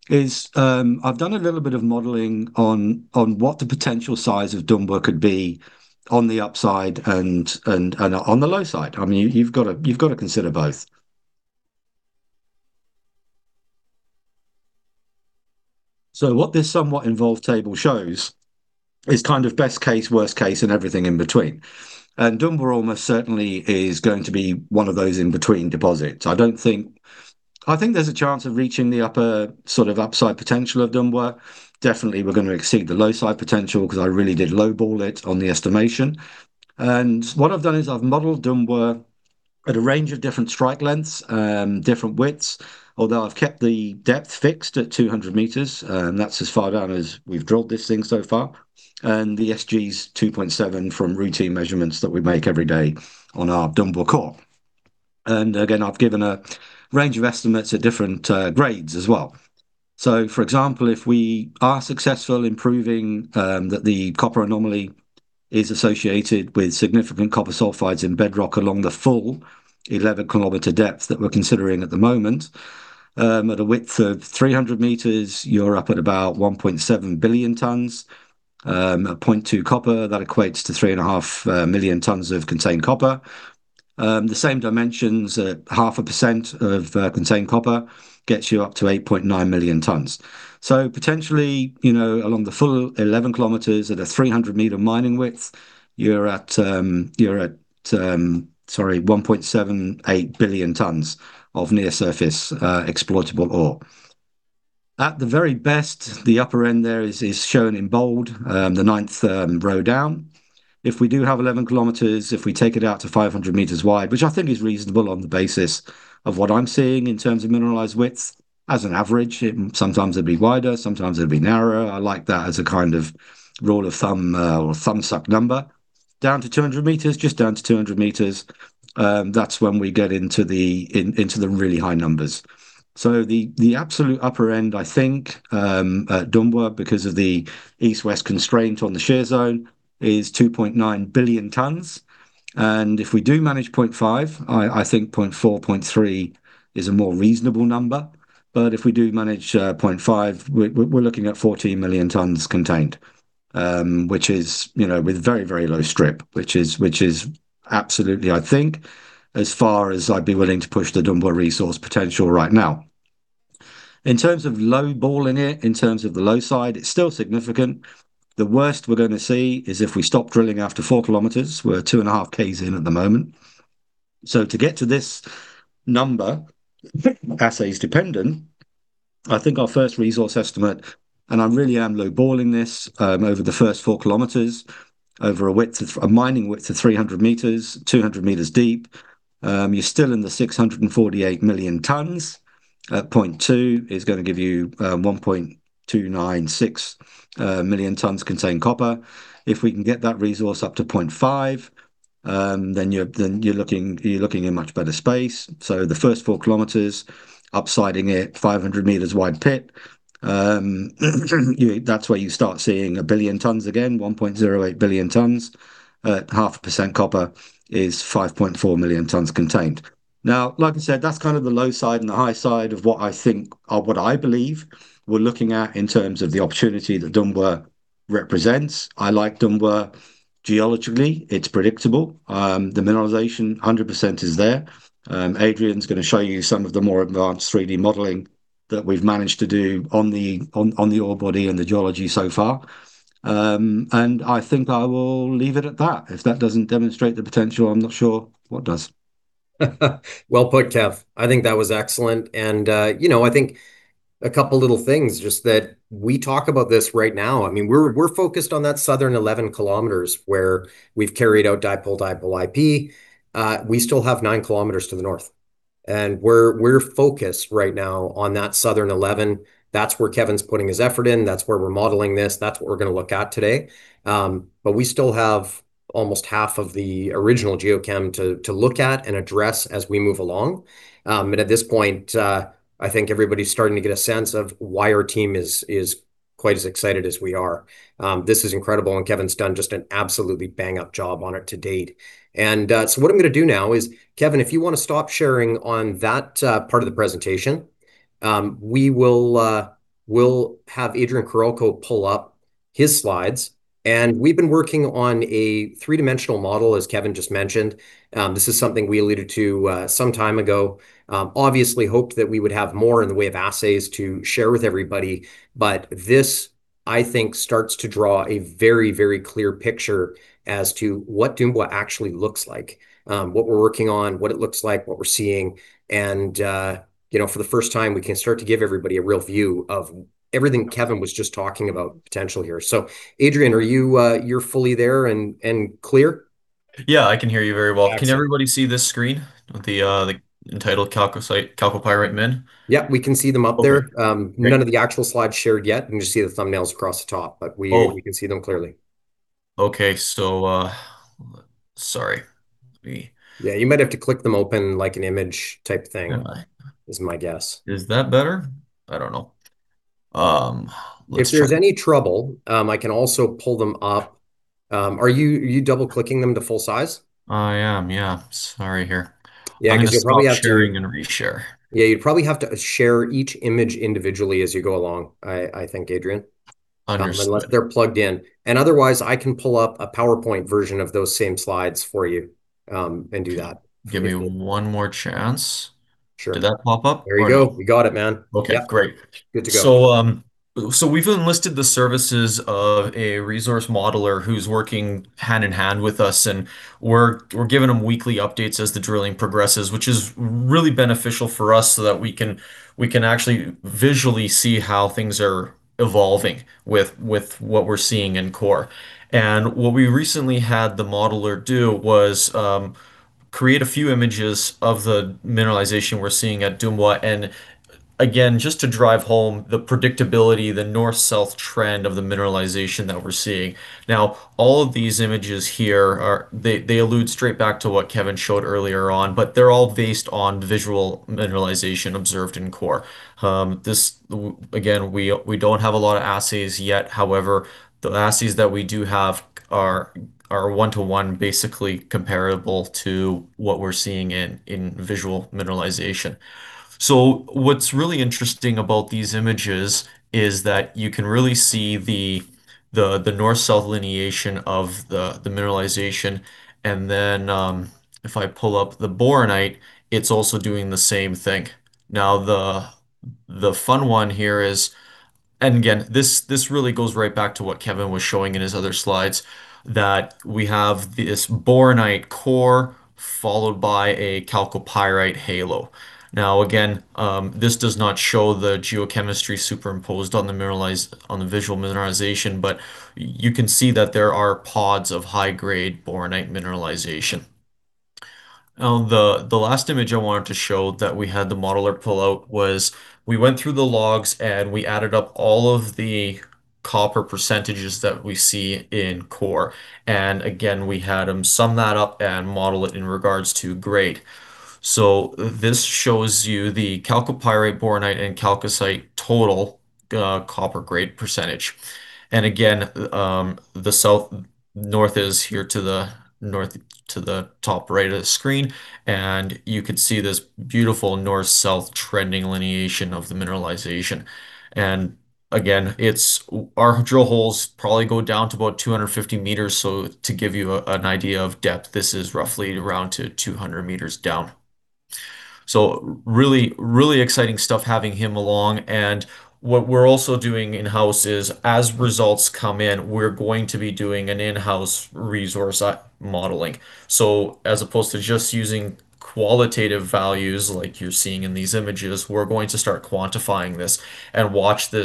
is I've done a little bit of modeling on what the potential size of Dumbwa could be on the upside and on the low side. I mean, you've got to consider both. So what this somewhat involved table shows is kind of best case, worst case, and everything in between. Dumbwa almost certainly is going to be one of those in-between deposits. I don't think there's a chance of reaching the upper sort of upside potential of Dumbwa. Definitely, we're going to exceed the low side potential because I really did lowball it on the estimation. What I've done is I've modeled Dumbwa at a range of different strike lengths, different widths, although I've kept the depth fixed at 200 m. That's as far down as we've drilled this thing so far. The SG is 2.7 from routine measurements that we make every day on our Dumbwa core. Again, I've given a range of estimates at different grades as well. So for example, if we are successful in proving that the copper anomaly is associated with significant copper sulfides in bedrock along the full 11 km depth that we're considering at the moment, at a width of 300 m, you're up at about 1.7 billion tons, 0.2% copper. That equates to 3.5 million tons of contained copper. The same dimensions, at 0.5% contained copper, gets you up to 8.9 million tons. So potentially, you know, along the full 11 km at a 300-m mining width, you're at, sorry, 1.78 billion tons of near-surface exploitable ore. At the very best, the upper end there is shown in bold, the ninth row down. If we do have 11 km, if we take it out to 500 m wide, which I think is reasonable on the basis of what I'm seeing in terms of mineralized width, as an average, sometimes it'll be wider, sometimes it'll be narrower. I like that as a kind of rule of thumb or thumbsuck number. Down to 200 m, just down to 200 m, that's when we get into the really high numbers. So the absolute upper end, I think, at Dumbwa, because of the East-West constraint on the shear zone, is 2.9 billion tons. If we do manage 0.5 billion, I think 0.4 billion, 0.3 billion is a more reasonable number. But if we do manage 0.5 billion, we're looking at 14 million tons contained, which is, you know, with very, very low strip, which is absolutely, I think, as far as I'd be willing to push the Dumbwa resource potential right now. In terms of lowballing it, in terms of the low side, it's still significant. The worst we're going to see is if we stop drilling after 4 km. We're two and a half Ks in at the moment. So to get to this number, assays dependent, I think our first resource estimate, and I really am lowballing this over the first 4 km, over a width of a mining width of 300 m, 200 m deep, you're still in the 648 million tons. At 0.2 is going to give you 1.296 million tons contained copper. If we can get that resource up to 0.5, then you're looking in much better space. So the first 4 km, upsiding it, 500 m wide pit, that's where you start seeing a billion tons again, 1.08 billion tons. At 0.5% copper is 5.4 million tons contained. Now, like I said, that's kind of the low side and the high side of what I think, or what I believe we're looking at in terms of the opportunity that Dumbwa represents. I like Dumbwa geologically. It's predictable. The mineralization, 100% is there. Adrian's going to show you some of the more advanced 3D modeling that we've managed to do on the ore body and the geology so far. And I think I will leave it at that. If that doesn't demonstrate the potential, I'm not sure what does. Well put, Kev. I think that was excellent. You know, I think a couple of little things, just that we talk about this right now. I mean, we're focused on that Southern 11 km where we've carried out dipole-dipole IP. We still have 9 km to the North. And we're focused right now on that Southern 11 km. That's where Kevin's putting his effort in. That's where we're modeling this. That's what we're going to look at today. But we still have almost half of the original geochem to look at and address as we move along. And at this point, I think everybody's starting to get a sense of why our team is quite as excited as we are. This is incredible. And Kevin's done just an absolutely bang-up job on it to date. And so what I'm going to do now is, Kevin, if you want to stop sharing on that part of the presentation, we will have Adrian Karolko pull up his slides. And we've been working on a three-dimensional model, as Kevin just mentioned. This is something we alluded to some time ago. Obviously, hoped that we would have more in the way of assays to share with everybody. But this, I think, starts to draw a very, very clear picture as to what Dumbwa actually looks like, what we're working on, what it looks like, what we're seeing. And, you know, for the first time, we can start to give everybody a real view of everything Kevin was just talking about potential here. So, Adrian, are you fully there and clear? Yeah, I can hear you very well. Can everybody see this screen with the entitled Chalcocite, Chalcopyrite? Yep, we can see them up there. None of the actual slides shared yet. You can just see the thumbnails across the top, but we can see them clearly. Okay, so sorry. Yeah, you might have to click them open like an image type thing is my guess. Is that better? I don't know. If there's any trouble, I can also pull them up. Are you double-clicking them to full size? I am, yeah. Sorry here. Yeah, because you're probably sharing and reshare. Yeah, you'd probably have to share each image individually as you go along, I think, Adrian. Understood. Unless they're plugged in, and otherwise, I can pull up a PowerPoint version of those same slides for you and do that. Give me one more chance. Sure. Did that pop up? There you go. We got it, man. Okay, great. Good to go. So we've enlisted the services of a resource modeler who's working hand in hand with us. And we're giving them weekly updates as the drilling progresses, which is really beneficial for us so that we can actually visually see how things are evolving with what we're seeing in core. And what we recently had the modeler do was create a few images of the mineralization we're seeing at Dumbwa. And again, just to drive home the predictability, the North-South trend of the mineralization that we're seeing. Now, all of these images here, they allude straight back to what Kevin showed earlier on, but they're all based on visual mineralization observed in core. Again, we don't have a lot of assays yet. However, the assays that we do have are one-to-one basically comparable to what we're seeing in visual mineralization. So what's really interesting about these images is that you can really see the North-South lineation of the mineralization. And then if I pull up the bornite, it's also doing the same thing. Now, the fun one here is, and again, this really goes right back to what Kevin was showing in his other slides, that we have this bornite core followed by a chalcopyrite halo. Now, again, this does not show the geochemistry superimposed on the visual mineralization, but you can see that there are pods of high-grade bornite mineralization. Now, the last image I wanted to show that we had the modeler pull out was we went through the logs and we added up all of the copper percentages that we see in core. And again, we had them sum that up and model it in regards to grade. This shows you the chalcopyrite, bornite, and chalcocite total copper grade %. Again, the North is here to the North to the top right of the screen. You can see this beautiful North-South trending lineation of the mineralization. Again, our drill holes probably go down to about 250 m. To give you an idea of depth, this is roughly around to 200 m down. Really, really exciting stuff having him along. What we're also doing in-house is as results come in, we're going to be doing an in-house resource modeling. As opposed to just using qualitative values like you're seeing in these images, we're going to start quantifying this and watch the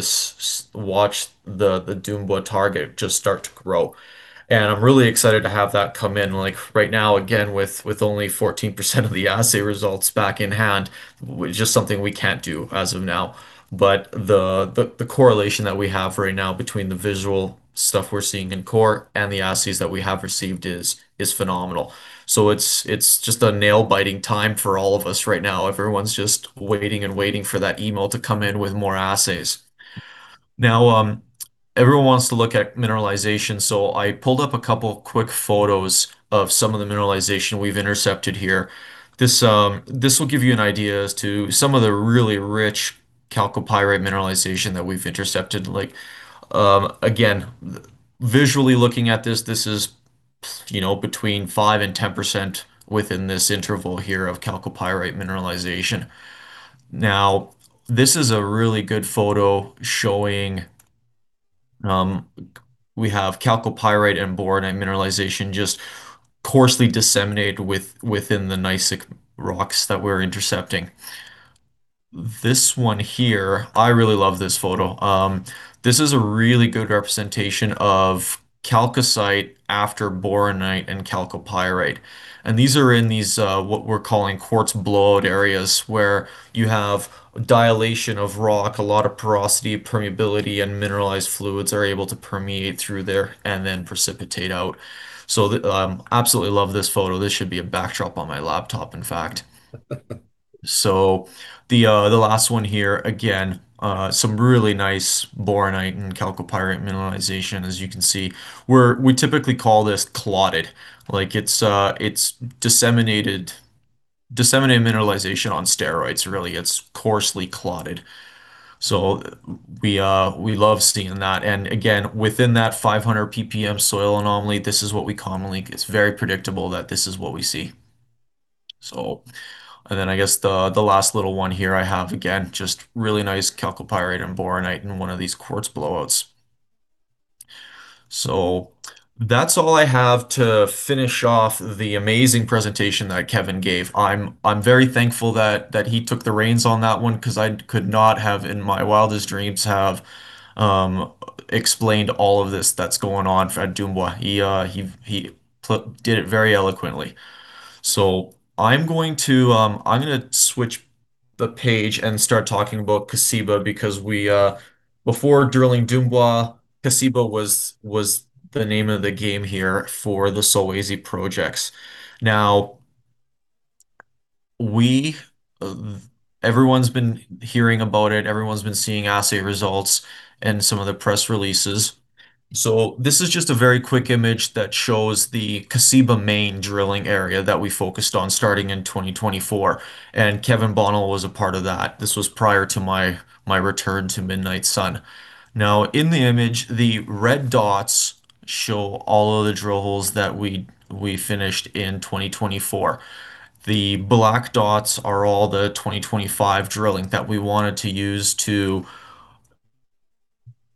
Dumbwa target just start to grow. I'm really excited to have that come in. Like right now, again, with only 14% of the assay results back in hand, which is just something we can't do as of now. The correlation that we have right now between the visual stuff we're seeing in core and the assays that we have received is phenomenal. It's just a nail-biting time for all of us right now. Everyone's just waiting and waiting for that email to come in with more assays. Everyone wants to look at mineralization. I pulled up a couple of quick photos of some of the mineralization we've intercepted here. This will give you an idea as to some of the really rich chalcopyrite mineralization that we've intercepted. Visually looking at this, this is between 5% to 10% within this interval here of chalcopyrite mineralization. Now, this is a really good photo showing we have chalcopyrite and bornite mineralization just coarsely disseminated within the gneissic rocks that we're intercepting. This one here, I really love this photo. This is a really good representation of chalcocite after bornite and chalcopyrite. And these are in these what we're calling quartz blowout areas where you have dilation of rock, a lot of porosity, permeability, and mineralized fluids are able to permeate through there and then precipitate out. So absolutely love this photo. This should be a backdrop on my laptop, in fact. So the last one here, again, some really nice bornite and chalcopyrite mineralization, as you can see. We typically call this clotted. It's disseminated mineralization on steroids, really. It's coarsely clotted. So we love seeing that. And again, within that 500 ppm soil anomaly, this is what we commonly see. It's very predictable that this is what we see. And then I guess the last little one here I have, again, just really nice chalcopyrite and bornite in one of these quartz blowouts. So that's all I have to finish off the amazing presentation that Kevin gave. I'm very thankful that he took the reins on that one because I could not have in my wildest dreams explained all of this that's going on at Dumbwa. He did it very eloquently. So I'm going to switch the page and start talking about Kazhiba because before drilling Dumbwa, Kazhiba was the name of the game here for the Solwezi projects. Now, everyone's been hearing about it. Everyone's been seeing assay results and some of the press releases. So this is just a very quick image that shows the Kazhiba Main drilling area that we focused on starting in 2024. And Kevin Bonyai was a part of that. This was prior to my return to Midnight Sun. Now, in the image, the red dots show all of the drill holes that we finished in 2024. The black dots are all the 2025 drilling that we wanted to use to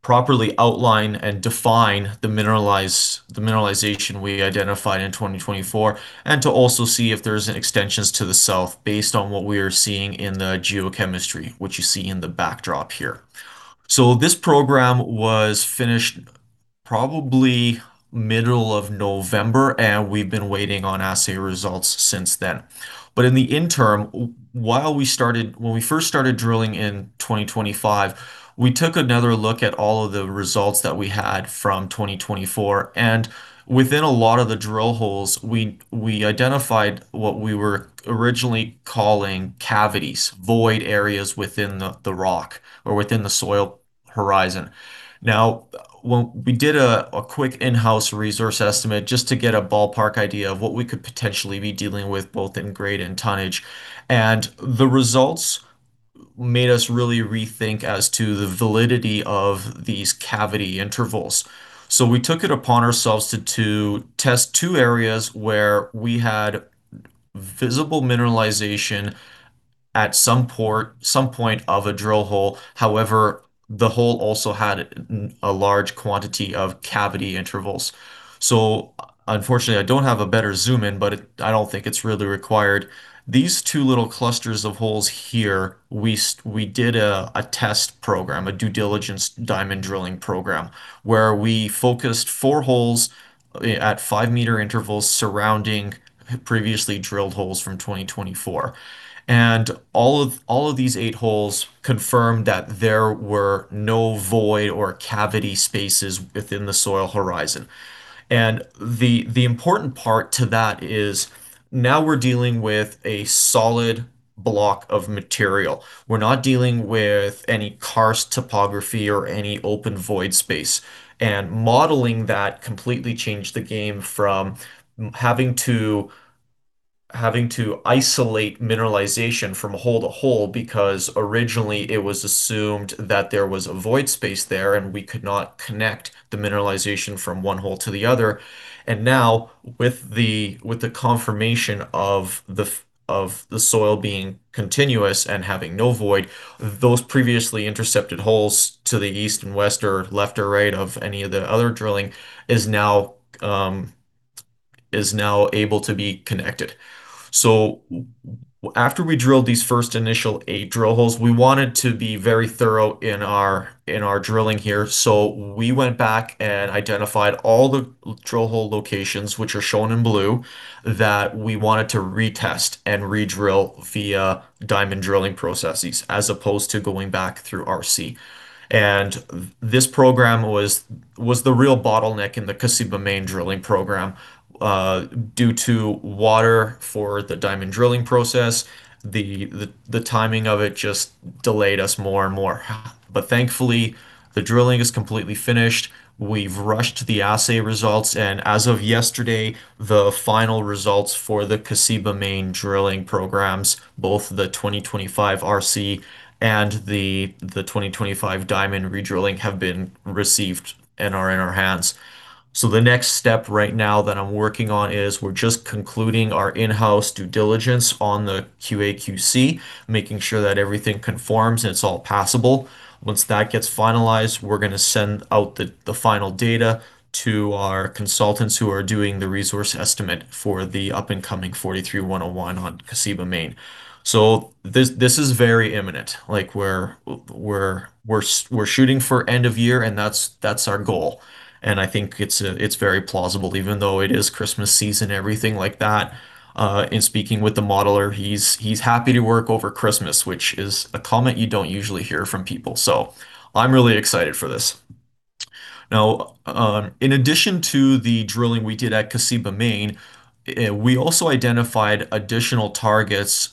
properly outline and define the mineralization we identified in 2024 and to also see if there's extensions to the South based on what we are seeing in the geochemistry, which you see in the backdrop here. So this program was finished probably middle of November, and we've been waiting on assay results since then. But in the interim, while we started, when we first started drilling in 2025, we took another look at all of the results that we had from 2024. Within a lot of the drill holes, we identified what we were originally calling cavities, void areas within the rock or within the soil horizon. Now, we did a quick in-house resource estimate just to get a ballpark idea of what we could potentially be dealing with both in grade and tonnage. The results made us really rethink as to the validity of these cavity intervals. We took it upon ourselves to test two areas where we had visible mineralization at some point of a drill hole. However, the hole also had a large quantity of cavity intervals. Unfortunately, I don't have a better zoom in, but I don't think it's really required. These two little clusters of holes here, we did a test program, a due diligence diamond drilling program, where we focused four holes at 5 m intervals surrounding previously drilled holes from 2024. All of these eight holes confirmed that there were no void or cavity spaces within the soil horizon. The important part to that is now we're dealing with a solid block of material. We're not dealing with any karst topography or any open void space. Modeling that completely changed the game from having to isolate mineralization from hole to hole because originally it was assumed that there was a void space there and we could not connect the mineralization from one hole to the other. Now with the confirmation of the soil being continuous and having no void, those previously intercepted holes to the East and West or left or right of any of the other drilling is now able to be connected. After we drilled these first initial eight drill holes, we wanted to be very thorough in our drilling here. So we went back and identified all the drill hole locations, which are shown in blue, that we wanted to retest and redrill via diamond drilling processes as opposed to going back through RC. And this program was the real bottleneck in the Kazhiba Main drilling program due to water for the diamond drilling process. The timing of it just delayed us more and more. But thankfully, the drilling is completely finished. We've rushed the assay results. And as of yesterday, the final results for the Kazhiba Main drilling programs, both the 2025 RC and the 2025 diamond redrilling, have been received and are in our hands. So the next step right now that I'm working on is we're just concluding our in-house due diligence on the QA/QC, making sure that everything conforms and it's all passable. Once that gets finalized, we're going to send out the final data to our consultants who are doing the resource estimate for the up-and-coming 43-101 on Kazhiba Main. So this is very imminent. We're shooting for end of year, and that's our goal. And I think it's very plausible, even though it is Christmas season and everything like that. In speaking with the modeler, he's happy to work over Christmas, which is a comment you don't usually hear from people. So I'm really excited for this. Now, in addition to the drilling we did at Kazhiba Main, we also identified additional targets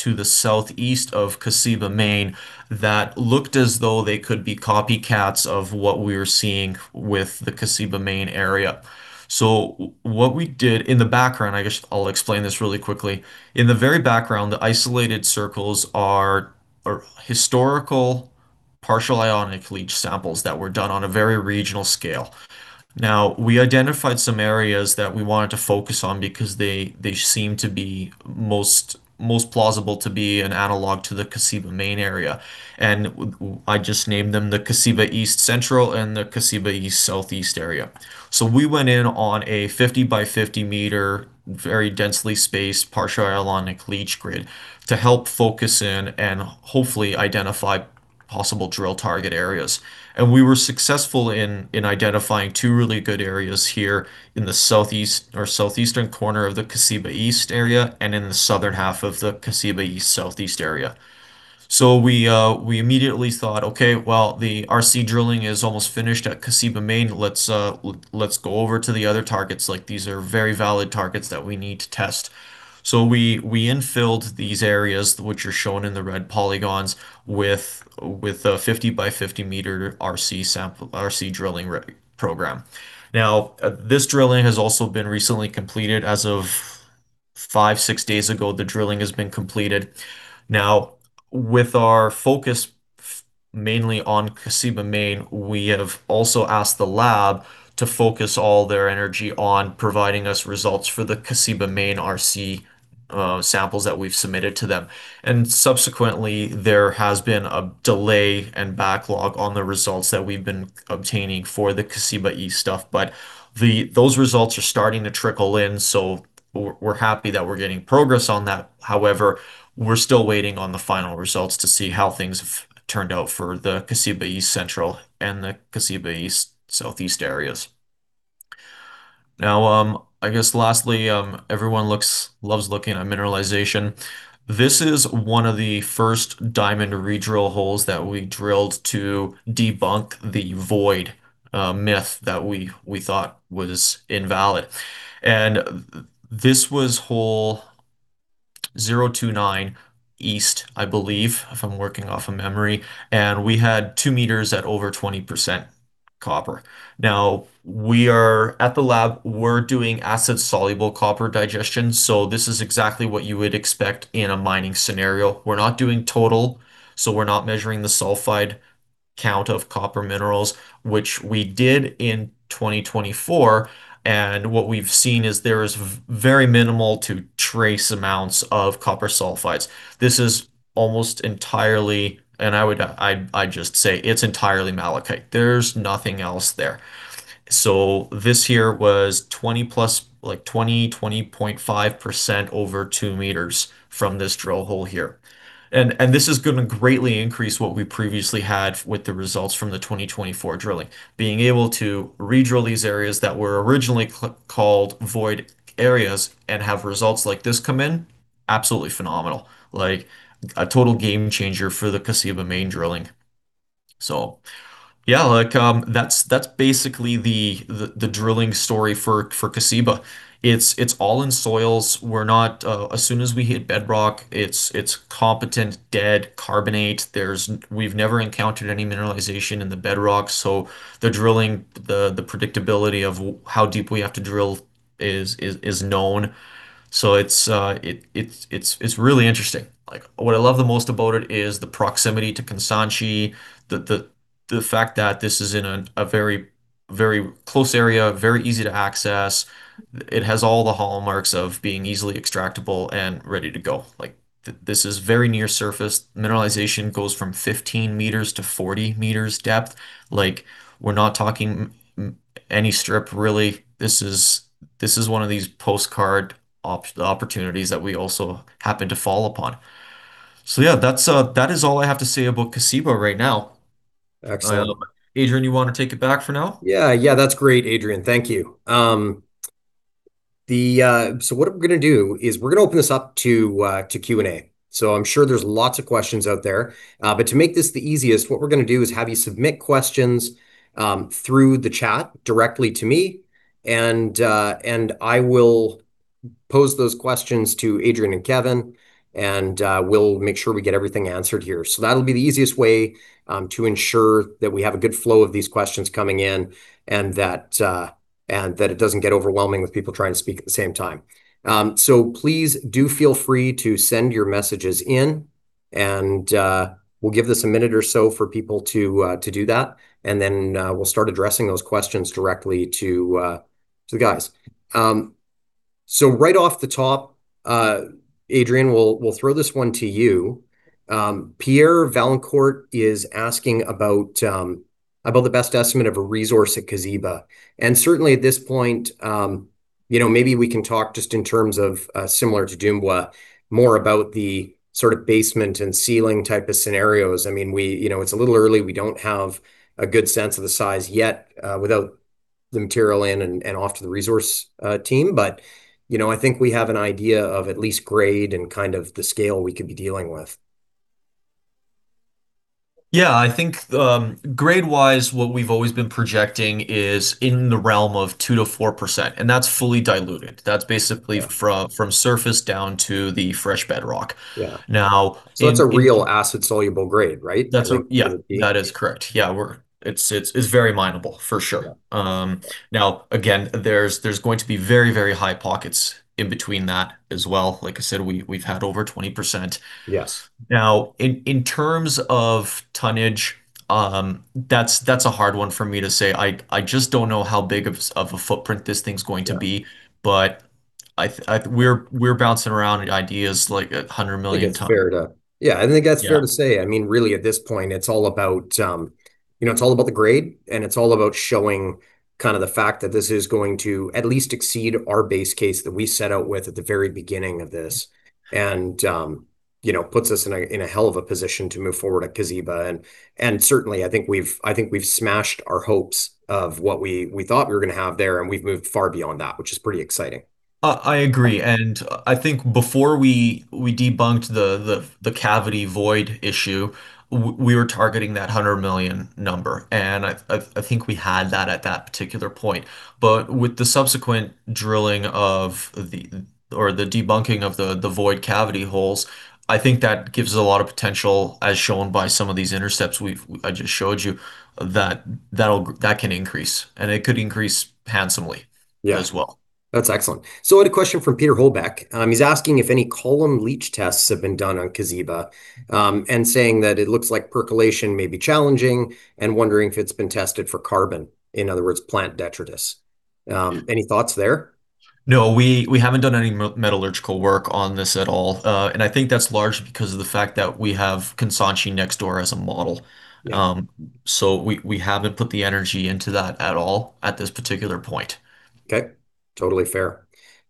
to the SouthEast of Kazhiba Main that looked as though they could be copycats of what we were seeing with the Kazhiba Main area. So what we did in the background, I guess I'll explain this really quickly. In the very background, the isolated circles are historical partial ionic leach samples that were done on a very regional scale. Now, we identified some areas that we wanted to focus on because they seem to be most plausible to be an analog to the Kazhiba Main area, and I just named them the Kazhiba East-Central and the Kazhiba East-Southeast area. We went in on a 50 by 50 m, very densely spaced partial ionic leach grid to help focus in and hopefully identify possible drill target areas, and we were successful in identifying two really good areas here in the SouthEastern corner of the Kazhiba East area and in the Southern half of the Kazhiba East-Southeast area. We immediately thought, "Okay, well, the RC drilling is almost finished at Kazhiba Main. Let's go over to the other targets. These are very valid targets that we need to test," so we infilled these areas, which are shown in the red polygons, with a 50 by 50 m RC drilling program. Now, this drilling has also been recently completed. As of five, six days ago, the drilling has been completed. Now, with our focus mainly on Kazhiba Main, we have also asked the lab to focus all their energy on providing us results for the Kazhiba Main RC samples that we've submitted to them, and subsequently there has been a delay and backlog on the results that we've been obtaining for the Kazhiba East stuff, but those results are starting to trickle in, so we're happy that we're getting progress on that. However, we're still waiting on the final results to see how things have turned out for the Kazhiba East-Central and the Kazhiba East-Southeast areas. Now, I guess lastly, everyone loves looking at mineralization. This is one of the first diamond redrill holes that we drilled to debunk the void myth that we thought was invalid, and this was hole 029 East, I believe, if I'm working off of memory, and we had 2 m at over 20% copper. Now, we are at the lab. We're doing acid-soluble copper digestion. So this is exactly what you would expect in a mining scenario. We're not doing total, so we're not measuring the sulfide count of copper minerals, which we did in 2024, and what we've seen is there is very minimal to trace amounts of copper sulfides. This is almost entirely, and I would just say it's entirely malachite. There's nothing else there, so this here was 20%+, like 20%, 20.5% over 2 m from this drill hole here. This has greatly increased what we previously had with the results from the 2024 drilling. Being able to redrill these areas that were originally called void areas and have results like this come in, absolutely phenomenal. A total game changer for the Kazhiba Main drilling. Yeah, that's basically the drilling story for Kazhiba. It's all in soils. As soon as we hit bedrock, it's competent dead carbonate. We've never encountered any mineralization in the bedrock. The drilling, the predictability of how deep we have to drill is known. It's really interesting. What I love the most about it is the proximity to Kansanshi, the fact that this is in a very close area, very easy to access. It has all the hallmarks of being easily extractable and ready to go. This is very near surface. Mineralization goes from 15 m to 40 m depth. We're not talking any strip, really. This is one of these postcard opportunities that we also happen to fall upon. So yeah, that is all I have to say about Kazhiba right now. Excellent. Adrian, you want to take it back for now? Yeah. Yeah, that's great, Adrian. Thank you. So what we're going to do is we're going to open this up to Q&A. So I'm sure there's lots of questions out there. But to make this the easiest, what we're going to do is have you submit questions through the chat directly to me. And I will pose those questions to Adrian and Kevin. And we'll make sure we get everything answered here. So that'll be the easiest way to ensure that we have a good flow of these questions coming in and that it doesn't get overwhelming with people trying to speak at the same time. Please do feel free to send your messages in. We'll give this a minute or so for people to do that. We'll start addressing those questions directly to the guys. Right off the top, Adrian, we'll throw this one to you. Pierre Vaillancourt is asking about the best estimate of a resource at Kazhiba. Certainly at this point, maybe we can talk just in terms of similar to Dumbwa more about the sort of basement and ceiling type of scenarios. I mean, it's a little early. We don't have a good sense of the size yet without the material in and off to the resource team. But I think we have an idea of at least grade and kind of the scale we could be dealing with. Yeah. I think grade-wise, what we've always been projecting is in the realm of 2% to 4%. That's fully diluted. That's basically from surface down to the fresh bedrock. Now, so that's a real acid-soluble grade, right? That's what that is, correct. Yeah. It's very mineable, for sure. Now, again, there's going to be very, very high pockets in between that as well. Like I said, we've had over 20%. Now, in terms of tonnage, that's a hard one for me to say. I just don't know how big of a footprint this thing's going to be. But we're bouncing around ideas like 100 million ton. Yeah. I think that's fair to say. I mean, really, at this point, it's all about the grade. It's all about showing kind of the fact that this is going to at least exceed our base case that we set out with at the very beginning of this and puts us in a hell of a position to move forward at Kazhiba. Certainly, I think we've smashed our hopes of what we thought we were going to have there. We've moved far beyond that, which is pretty exciting. I agree. I think before we debunked the cavity void issue, we were targeting that 100 million number. I think we had that at that particular point. With the subsequent drilling or the debunking of the void cavity holes, I think that gives a lot of potential, as shown by some of these intercepts I just showed you, that can increase. It could increase handsomely as well. That's excellent. I had a question from Peter Holbek. He's asking if any column leach tests have been done on Kazhiba and saying that it looks like percolation may be challenging and wondering if it's been tested for carbon, in other words, plant detritus. Any thoughts there? No, we haven't done any metallurgical work on this at all. And I think that's largely because of the fact that we have Kansanshi next door as a model. So we haven't put the energy into that at all at this particular point. Okay. Totally fair.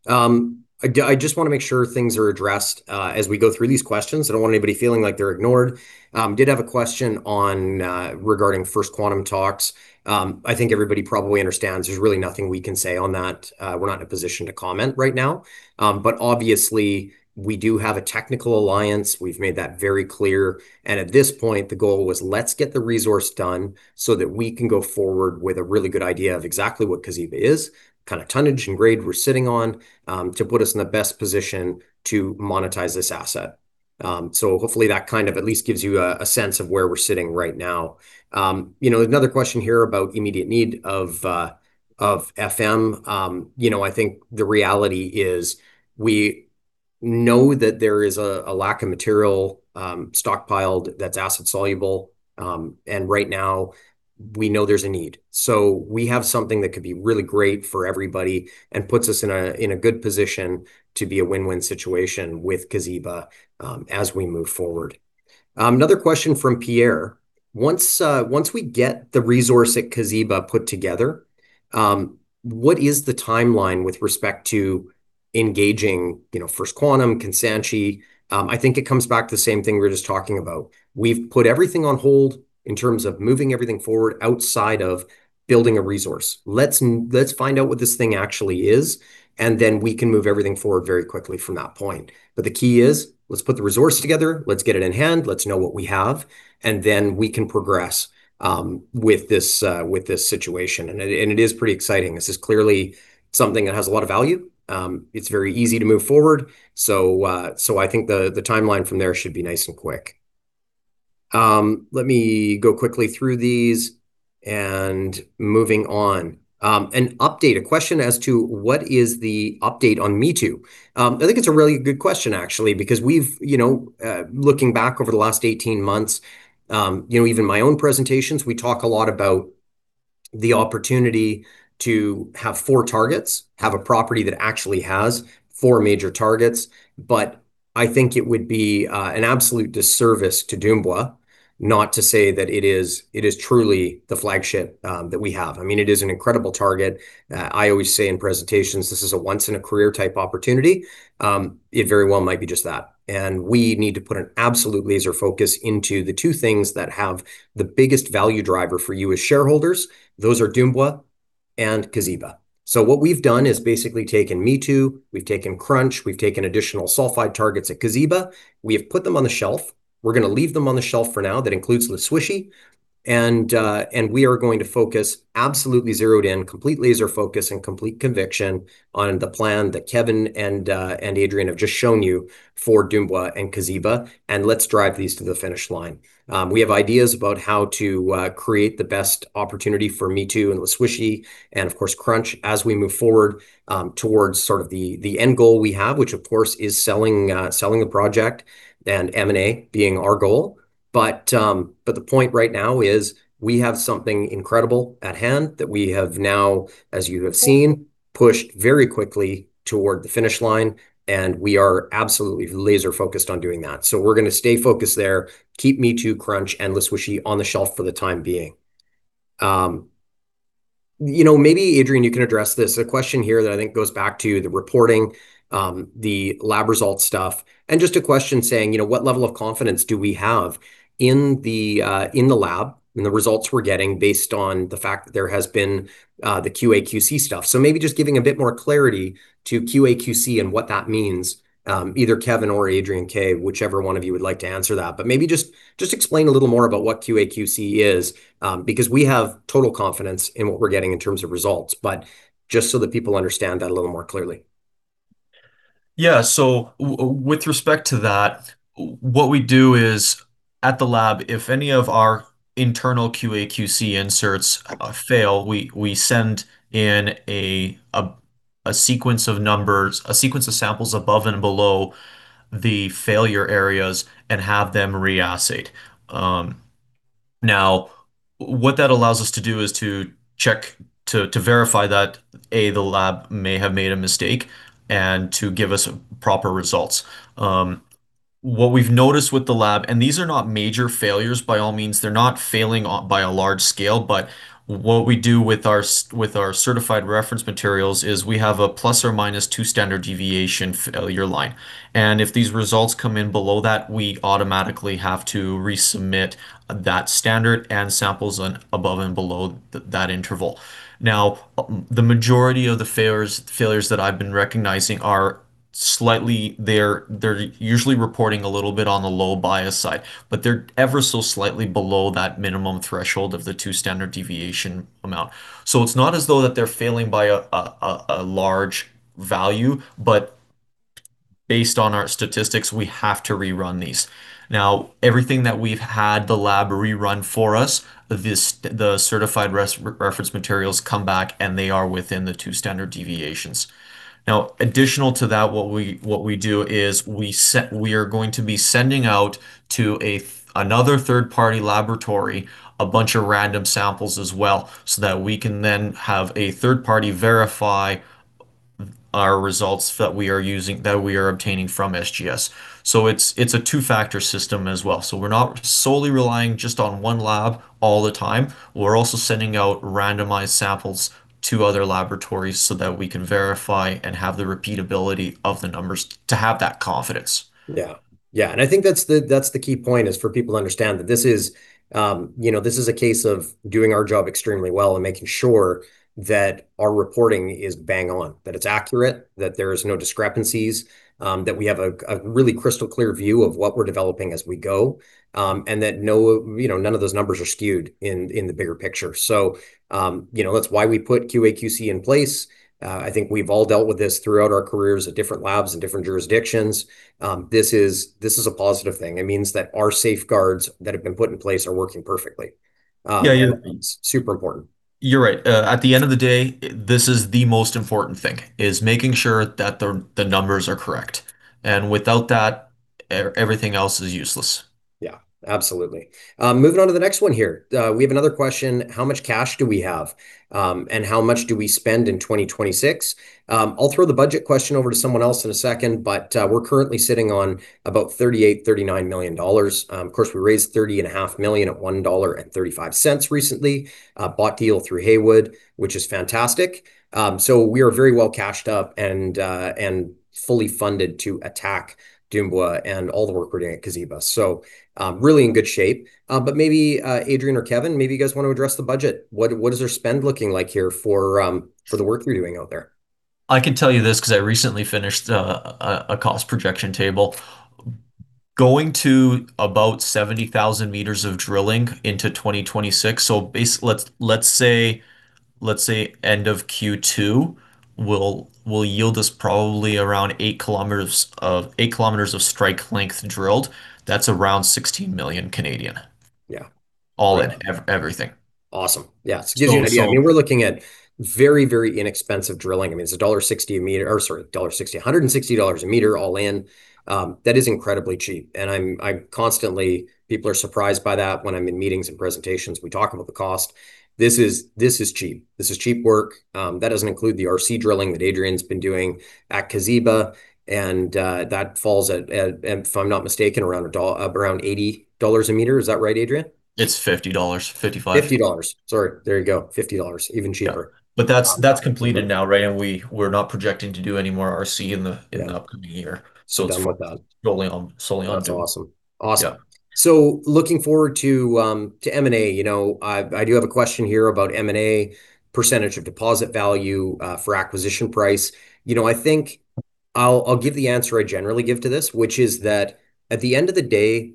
I just want to make sure things are addressed as we go through these questions. I don't want anybody feeling like they're ignored. Did have a question regarding First Quantum talks. I think everybody probably understands there's really nothing we can say on that. We're not in a position to comment right now. But obviously, we do have a technical alliance. We've made that very clear. And at this point, the goal was let's get the resource done so that we can go forward with a really good idea of exactly what Kazhiba is, kind of tonnage and grade we're sitting on, to put us in the best position to monetize this asset. So hopefully, that kind of at least gives you a sense of where we're sitting right now. Another question here about immediate need of FM. I think the reality is we know that there is a lack of material stockpiled that's acid-soluble. And right now, we know there's a need. So we have something that could be really great for everybody and puts us in a good position to be a win-win situation with Kazhiba as we move forward. Another question from Pierre. Once we get the resource at Kazhiba put together, what is the timeline with respect to engaging First Quantum, Kansanshi? I think it comes back to the same thing we were just talking about. We've put everything on hold in terms of moving everything forward outside of building a resource. Let's find out what this thing actually is. And then we can move everything forward very quickly from that point. But the key is let's put the resource together. Let's get it in hand. Let's know what we have. And then we can progress with this situation. And it is pretty exciting. This is clearly something that has a lot of value. It's very easy to move forward. So I think the timeline from there should be nice and quick. Let me go quickly through these and moving on. An update? A question as to what is the update on Mitu? I think it's a really good question, actually, because looking back over the last 18 months, even my own presentations, we talk a lot about the opportunity to have four targets, have a property that actually has four major targets. But I think it would be an absolute disservice to Dumbwa not to say that it is truly the flagship that we have. I mean, it is an incredible target. I always say in presentations, this is a once-in-a-career type opportunity. It very well might be just that. And we need to put an absolute laser focus into the two things that have the biggest value driver for you as shareholders. Those are Dumbwa and Kazhiba. So what we've done is basically taken Mitu. We've taken Crunch. We've taken additional sulfide targets at Kazhiba. We have put them on the shelf. We're going to leave them on the shelf for now. That includes the Swishy, and we are going to focus absolutely zeroed in, complete laser focus and complete conviction on the plan that Kevin and Adrian have just shown you for Dumbwa and Kazhiba, and let's drive these to the finish line. We have ideas about how to create the best opportunity for Mitu and the Swishy and, of course, Crunch as we move forward towards sort of the end goal we have, which, of course, is selling the project and M&A being our goal, but the point right now is we have something incredible at hand that we have now, as you have seen, pushed very quickly toward the finish line, and we are absolutely laser-focused on doing that, so we're going to stay focused there. Keep MeToo, Crunch, and the Swishy on the shelf for the time being. Maybe, Adrian, you can address this. A question here that I think goes back to the reporting, the lab result stuff, and just a question saying, what level of confidence do we have in the lab and the results we're getting based on the fact that there has been the QA/QC stuff? So maybe just giving a bit more clarity to QA/QC and what that means, either Kevin or Adrian K, whichever one of you would like to answer that. But maybe just explain a little more about what QA/QC is because we have total confidence in what we're getting in terms of results. But just so that people understand that a little more clearly. Yeah. With respect to that, what we do is at the lab, if any of our internal QA/QC inserts fail, we send in a sequence of numbers, a sequence of samples above and below the failure areas and have them re-acid. What that allows us to do is to verify that, A, the lab may have made a mistake and to give us proper results. What we've noticed with the lab, and these are not major failures by all means. They're not failing by a large scale. What we do with our certified reference materials is we have a + or -2 standard deviation failure line. If these results come in below that, we automatically have to resubmit that standard and samples above and below that interval. The majority of the failures that I've been recognizing are slightly there. They're usually reporting a little bit on the low bias side. But they're ever so slightly below that minimum threshold of the two standard deviation amount. So it's not as though that they're failing by a large value. But based on our statistics, we have to rerun these. Now, everything that we've had the lab rerun for us, the certified reference materials come back, and they are within the two standard deviations. Now, additional to that, what we do is we are going to be sending out to another third-party laboratory a bunch of random samples as well so that we can then have a third party verify our results that we are obtaining from SGS. So it's a two-factor system as well. So we're not solely relying just on one lab all the time. We're also sending out randomized samples to other laboratories so that we can verify and have the repeatability of the numbers to have that confidence. Yeah. Yeah. And I think that's the key point is for people to understand that this is a case of doing our job extremely well and making sure that our reporting is bang on, that it's accurate, that there are no discrepancies, that we have a really crystal-clear view of what we're developing as we go, and that none of those numbers are skewed in the bigger picture. So that's why we put QA/QC in place. I think we've all dealt with this throughout our careers at different labs and different jurisdictions. This is a positive thing. It means that our safeguards that have been put in place are working perfectly. Yeah. Yeah. Super important. You're right. At the end of the day, this is the most important thing: making sure that the numbers are correct. Without that, everything else is useless. Yeah. Absolutely. Moving on to the next one here. We have another question. How much cash do we have and how much do we spend in 2026? I'll throw the budget question over to someone else in a second, but we're currently sitting on about 38 million dollars, 39 million dollars. Of course, we raised 30.5 million at 1.35 dollar recently, bought deal through Haywood, which is fantastic, so we are very well cashed up and fully funded to attack Dumbwa and all the work we're doing at Kazhiba, so really in good shape. But maybe, Adrian or Kevin, maybe you guys want to address the budget. What is our spend looking like here for the work we're doing out there? I can tell you this because I recently finished a cost projection table. Going to about 70,000 m of drilling into 2026. So let's say end of Q2 will yield us probably around 8 km of strike length drilled. That's around 16 million. Yeah. All in everything. Awesome. Yeah. It gives you an idea. I mean, we're looking at very, very inexpensive drilling. I mean, it's dollar 1.60 a meter or sorry, dollar 1.60, 160 dollars a meter all in. That is incredibly cheap. And people are surprised by that when I'm in meetings and presentations. We talk about the cost. This is cheap. This is cheap work. That doesn't include the RC drilling that Adrian's been doing at Kazhiba. And that falls, if I'm not mistaken, around 80 dollars a meter. Is that right, Adrian? It's 50 dollars, 55. 50 dollars. Sorry. There you go. 50 dollars, even cheaper. Yeah. But that's completed now, right? We're not projecting to do any more RC in the upcoming year. So it's solely on due. That's awesome. Awesome. So looking forward to M&A. I do have a question here about M&A percentage of deposit value for acquisition price. I think I'll give the answer I generally give to this, which is that at the end of the day,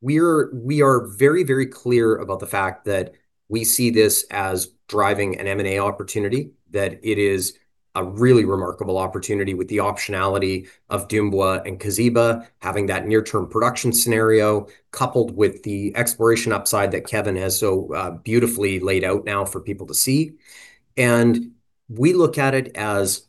we are very, very clear about the fact that we see this as driving an M&A opportunity, that it is a really remarkable opportunity with the optionality of Dumbwa and Kazhiba having that near-term production scenario coupled with the exploration upside that Kevin has so beautifully laid out now for people to see. We look at it as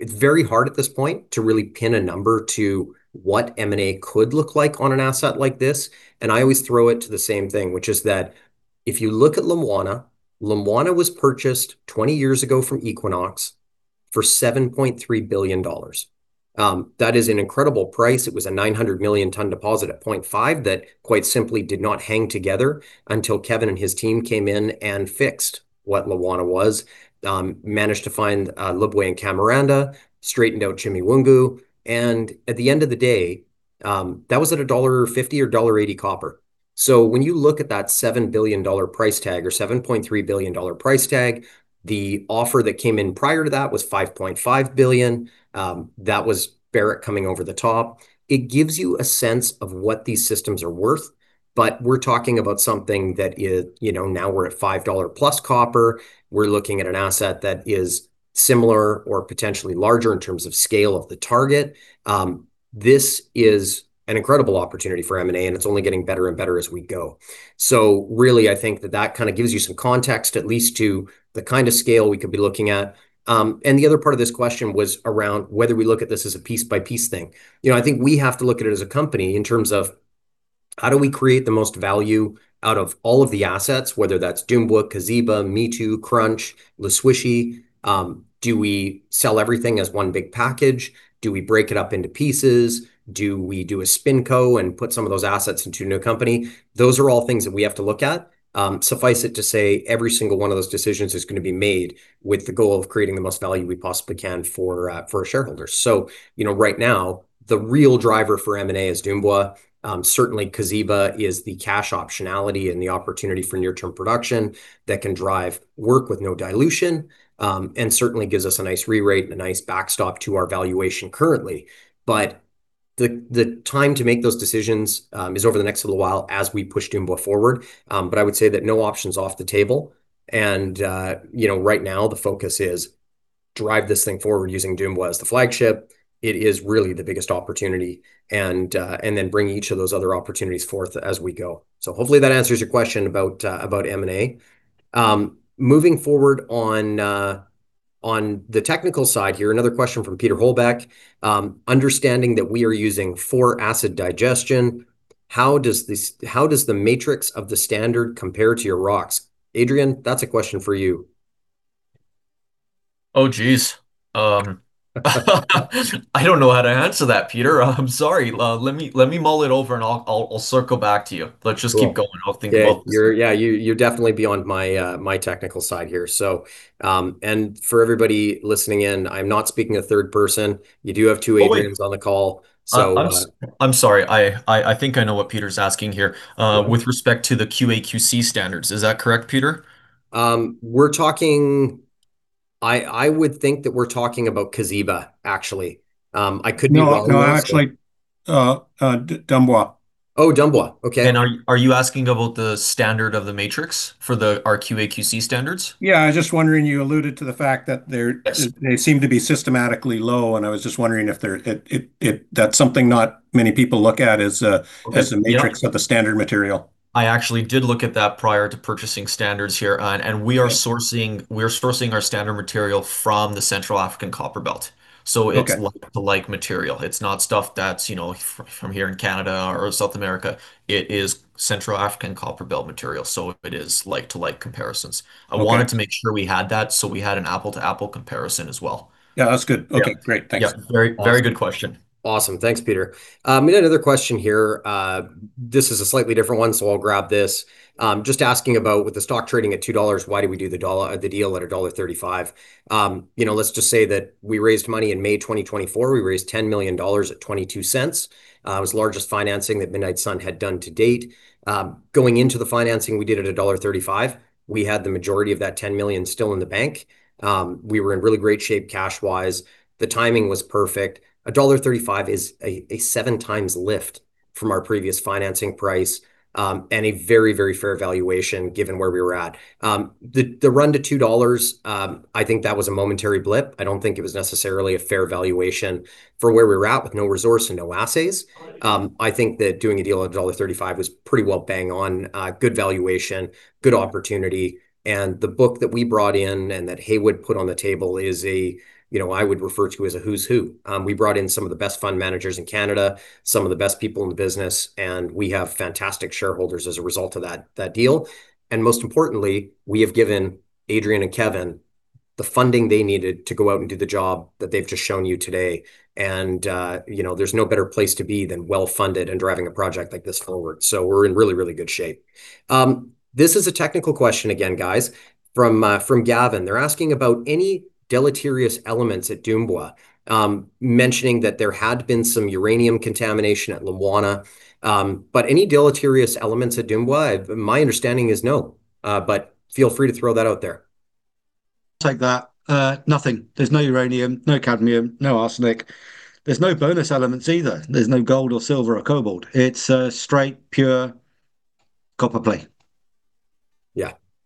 it's very hard at this point to really pin a number to what M&A could look like on an asset like this. And I always throw it to the same thing, which is that if you look at Lumwana, Lumwana was purchased 20 years ago from Equinox for $7.3 billion. That is an incredible price. It was a 900 million ton deposit at 0.5 that quite simply did not hang together until Kevin and his team came in and fixed what Lumwana was, managed to find Lubwe and Malundwe, straightened out Chimiwungo. And at the end of the day, that was at $1.50 or $1.80 copper. So when you look at that $7 billion price tag or $7.3 billion price tag, the offer that came in prior to that was $5.5 billion. That was Barrick coming over the top. It gives you a sense of what these systems are worth. But we're talking about something that now we're at $5 plus copper. We're looking at an asset that is similar or potentially larger in terms of scale of the target. This is an incredible opportunity for M&A, and it's only getting better and better as we go, so really, I think that that kind of gives you some context, at least to the kind of scale we could be looking at, and the other part of this question was around whether we look at this as a piece-by-piece thing. I think we have to look at it as a company in terms of how do we create the most value out of all of the assets, whether that's Dumbwa, Kazhiba, Mitu, Crunch, the Swishy? Do we sell everything as one big package? Do we break it up into pieces? Do we do a spin co and put some of those assets into a new company? Those are all things that we have to look at. Suffice it to say, every single one of those decisions is going to be made with the goal of creating the most value we possibly can for shareholders. So right now, the real driver for M&A is Dumbwa. Certainly, Kazhiba is the cash optionality and the opportunity for near-term production that can drive work with no dilution and certainly gives us a nice re-rate and a nice backstop to our valuation currently. But the time to make those decisions is over the next little while as we push Dumbwa forward. But I would say that no option's off the table. And right now, the focus is to drive this thing forward using Dumbwa as the flagship. It is really the biggest opportunity and then bring each of those other opportunities forth as we go. So hopefully, that answers your question about M&A. Moving forward on the technical side here, another question from Peter Holbek. Understanding that we are using four acid digestion, how does the matrix of the standard compare to your rocks? Adrian, that's a question for you. Oh, geez. I don't know how to answer that, Peter. I'm sorry. Let me mull it over, and I'll circle back to you. Let's just keep going. I'll think about this. Yeah. You're definitely beyond my technical side here. And for everybody listening in, I'm not speaking in third person. You do have two Adrians on the call. So I'm sorry. I think I know what Peter's asking here with respect to the QA/QC standards. Is that correct, Peter? I would think that we're talking about Kazhiba, actually. I could be wrong. No, no. Actually, Dumbwa. Oh, Dumbwa. Okay. Are you asking about the standard of the matrix for our QA/QC standards? Yeah. I was just wondering. You alluded to the fact that they seem to be systematically low, and I was just wondering if that's something not many people look at as the matrix of the standard material. I actually did look at that prior to purchasing standards here. And we are sourcing our standard material from the Central African Copper Belt. So it's like-to-like material. It's not stuff that's from here in Canada or South America. It is Central African Copper Belt material. So it is like-to-like comparisons. I wanted to make sure we had that so we had an apple-to-apple comparison as well. Yeah. That's good. Okay. Great. Thanks. Yeah. Very good question. Awesome. Thanks, Peter. We had another question here. This is a slightly different one, so I'll grab this. Just asking about with the stock trading at 2 dollars, why do we do the deal at dollar 1.35? Let's just say that we raised money in May 2024. We raised 10 million dollars at 0.22. It was the largest financing that Midnight Sun had done to date. Going into the financing, we did it at dollar 1.35. We had the majority of that 10 million still in the bank. We were in really great shape cash-wise. The timing was perfect. Dollar 1.35 is a seven-times lift from our previous financing price and a very, very fair valuation given where we were at. The run to 2 dollars, I think that was a momentary blip. I don't think it was necessarily a fair valuation for where we were at with no resource and no assays. I think that doing a deal at dollar 1.35 was pretty well bang on, good valuation, good opportunity. And the book that we brought in and that Haywood put on the table is a. I would refer to as a who's who. We brought in some of the best fund managers in Canada, some of the best people in the business, and we have fantastic shareholders as a result of that deal. And most importantly, we have given Adrian and Kevin the funding they needed to go out and do the job that they've just shown you today. And there's no better place to be than well-funded and driving a project like this forward. So we're in really, really good shape. This is a technical question again, guys, from Gavin. They're asking about any deleterious elements at Dumbwa, mentioning that there had been some uranium contamination at Lumwana. But any deleterious elements at Dumbwa? My understanding is no. But feel free to throw that out there. Take that. Nothing. There's no uranium, no cadmium, no arsenic. There's no bonus elements either. There's no gold or silver or cobalt. It's straight pure copper play.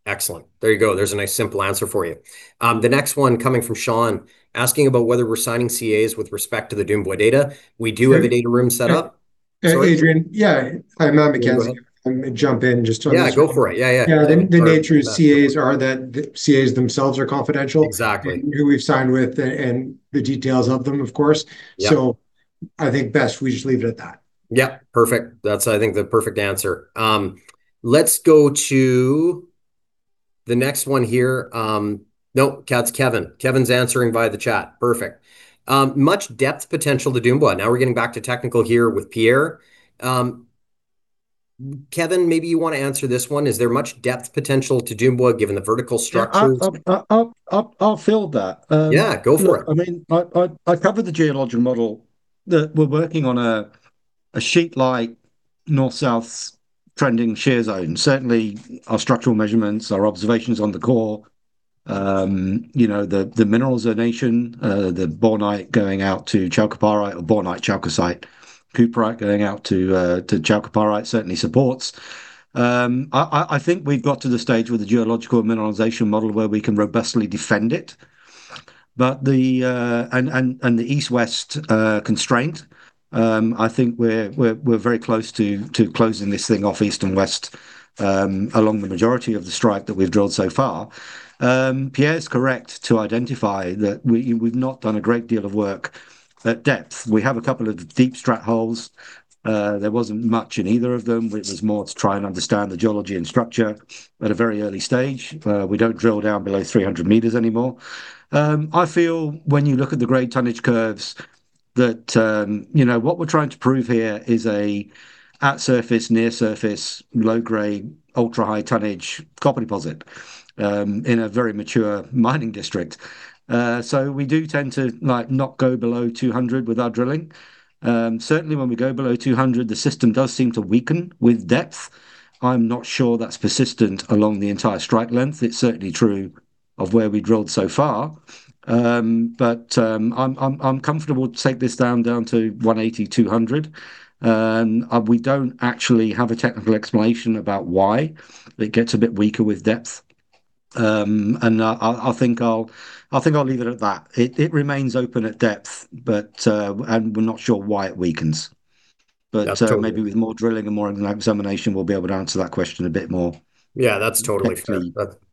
Yeah. Excellent. There you go. There's a nice simple answer for you. The next one coming from Sean, asking about whether we're signing CAs with respect to the Dumbwa data. We do have a data room set up. Hey, Adrian. Yeah. Hi, Matt MacKenzie. I'm going to jump in just to understand. Yeah. Go for it. The nature of CAs are that CAs themselves are confidential. Exactly. Who we've signed with and the details of them, of course. So I think best we just leave it at that. Yep. Perfect. That's, I think, the perfect answer. Let's go to the next one here. No, that's Kevin. Kevin's answering via the chat. Perfect. Much depth potential to Dumbwa. Now we're getting back to technical here with Pierre. Kevin, maybe you want to answer this one. Is there much depth potential to Dumbwa given the vertical structures? I'll field that. Yeah. Go for it. I mean, I covered the geologic model that we're working on a sheet-like North-South trending shear zone. Certainly, our structural measurements, our observations on the core, the mineralization, the bornite going out to chalcopyrite or bornite chalcocite, cuprite going out to chalcopyrite certainly supports. I think we've got to the stage with the geological mineralization model where we can robustly defend it. The East-West constraint, I think we're very close to closing this thing off East and West along the majority of the strike that we've drilled so far. Pierre is correct to identify that we've not done a great deal of work at depth. We have a couple of deep strat holes. There wasn't much in either of them. It was more to try and understand the geology and structure at a very early stage. We don't drill down below 300 m anymore. I feel when you look at the grade tonnage curves, that what we're trying to prove here is a at-surface, near-surface, low-grade, ultra-high tonnage copper deposit in a very mature mining district. So we do tend to not go below 200 with our drilling. Certainly, when we go below 200, the system does seem to weaken with depth. I'm not sure that's persistent along the entire strike length. It's certainly true of where we drilled so far. But I'm comfortable to take this down to 180, 200. We don't actually have a technical explanation about why it gets a bit weaker with depth. I think I'll leave it at that. It remains open at depth, and we're not sure why it weakens. But maybe with more drilling and more examination, we'll be able to answer that question a bit more. Yeah. That's totally fair.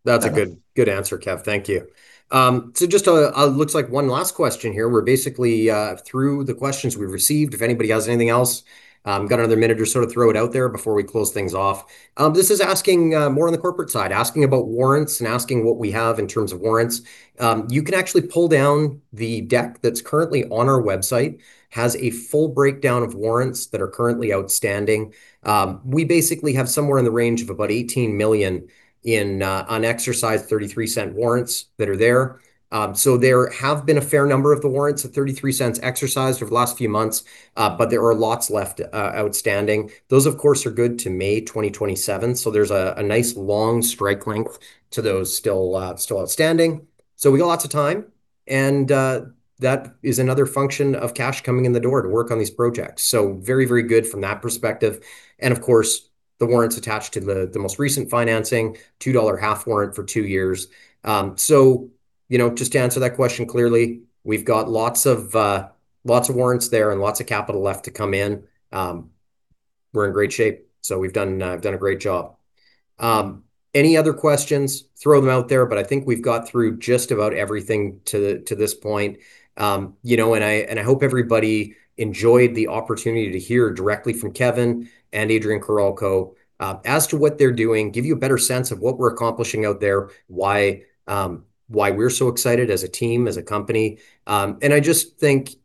That's a good answer, Kev. Thank you. So just looks like one last question here. We're basically through the questions we've received. If anybody has anything else, got another minute or so to throw it out there before we close things off. This is asking more on the corporate side, asking about warrants and asking what we have in terms of warrants. You can actually pull down the deck that's currently on our website, has a full breakdown of warrants that are currently outstanding. We basically have somewhere in the range of about 18 million unexercised 0.33 warrants that are there. So there have been a fair number of the warrants at $0.33 exercised over the last few months, but there are lots left outstanding. Those, of course, are good to May 2027. So there's a nice long strike length to those still outstanding. So we got lots of time. And that is another function of cash coming in the door to work on these projects. So very, very good from that perspective. And of course, the warrants attached to the most recent financing, $2.5 warrant for two years. So just to answer that question clearly, we've got lots of warrants there and lots of capital left to come in. We're in great shape. So we've done a great job. Any other questions, throw them out there. But I think we've got through just about everything to this point. And I hope everybody enjoyed the opportunity to hear directly from Kevin and Adrian Karolko as to what they're doing, give you a better sense of what we're accomplishing out there, why we're so excited as a team, as a company. And I just think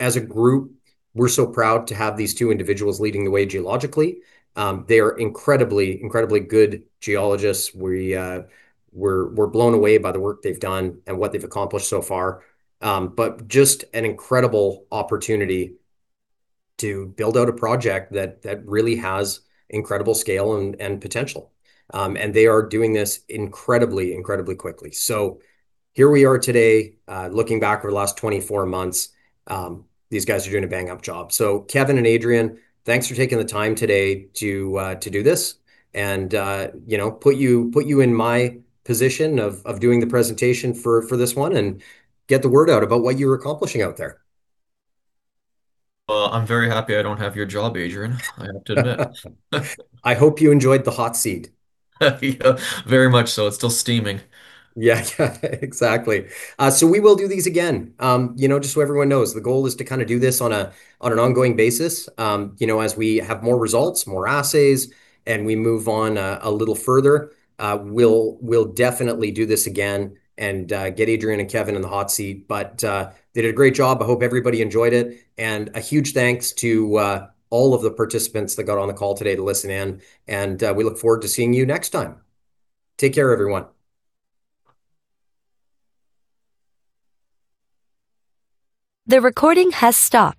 as a group, we're so proud to have these two individuals leading the way geologically. They are incredibly, incredibly good geologists. We're blown away by the work they've done and what they've accomplished so far. But just an incredible opportunity to build out a project that really has incredible scale and potential. And they are doing this incredibly, incredibly quickly. So here we are today, looking back over the last 24 months, these guys are doing a bang-up job. So Kevin and Adrian, thanks for taking the time today to do this and put you in my position of doing the presentation for this one and get the word out about what you're accomplishing out there. Well, I'm very happy I don't have your job, Adrian. I have to admit. I hope you enjoyed the hot seat. Very much so. It's still steaming. Yeah. Exactly. So we will do these again. Just so everyone knows, the goal is to kind of do this on an ongoing basis. As we have more results, more assays, and we move on a little further, we'll definitely do this again and get Adrian and Kevin in the hot seat. But they did a great job. I hope everybody enjoyed it. And a huge thanks to all of the participants that got on the call today to listen in. And we look forward to seeing you next time. Take care, everyone. The recording has stopped.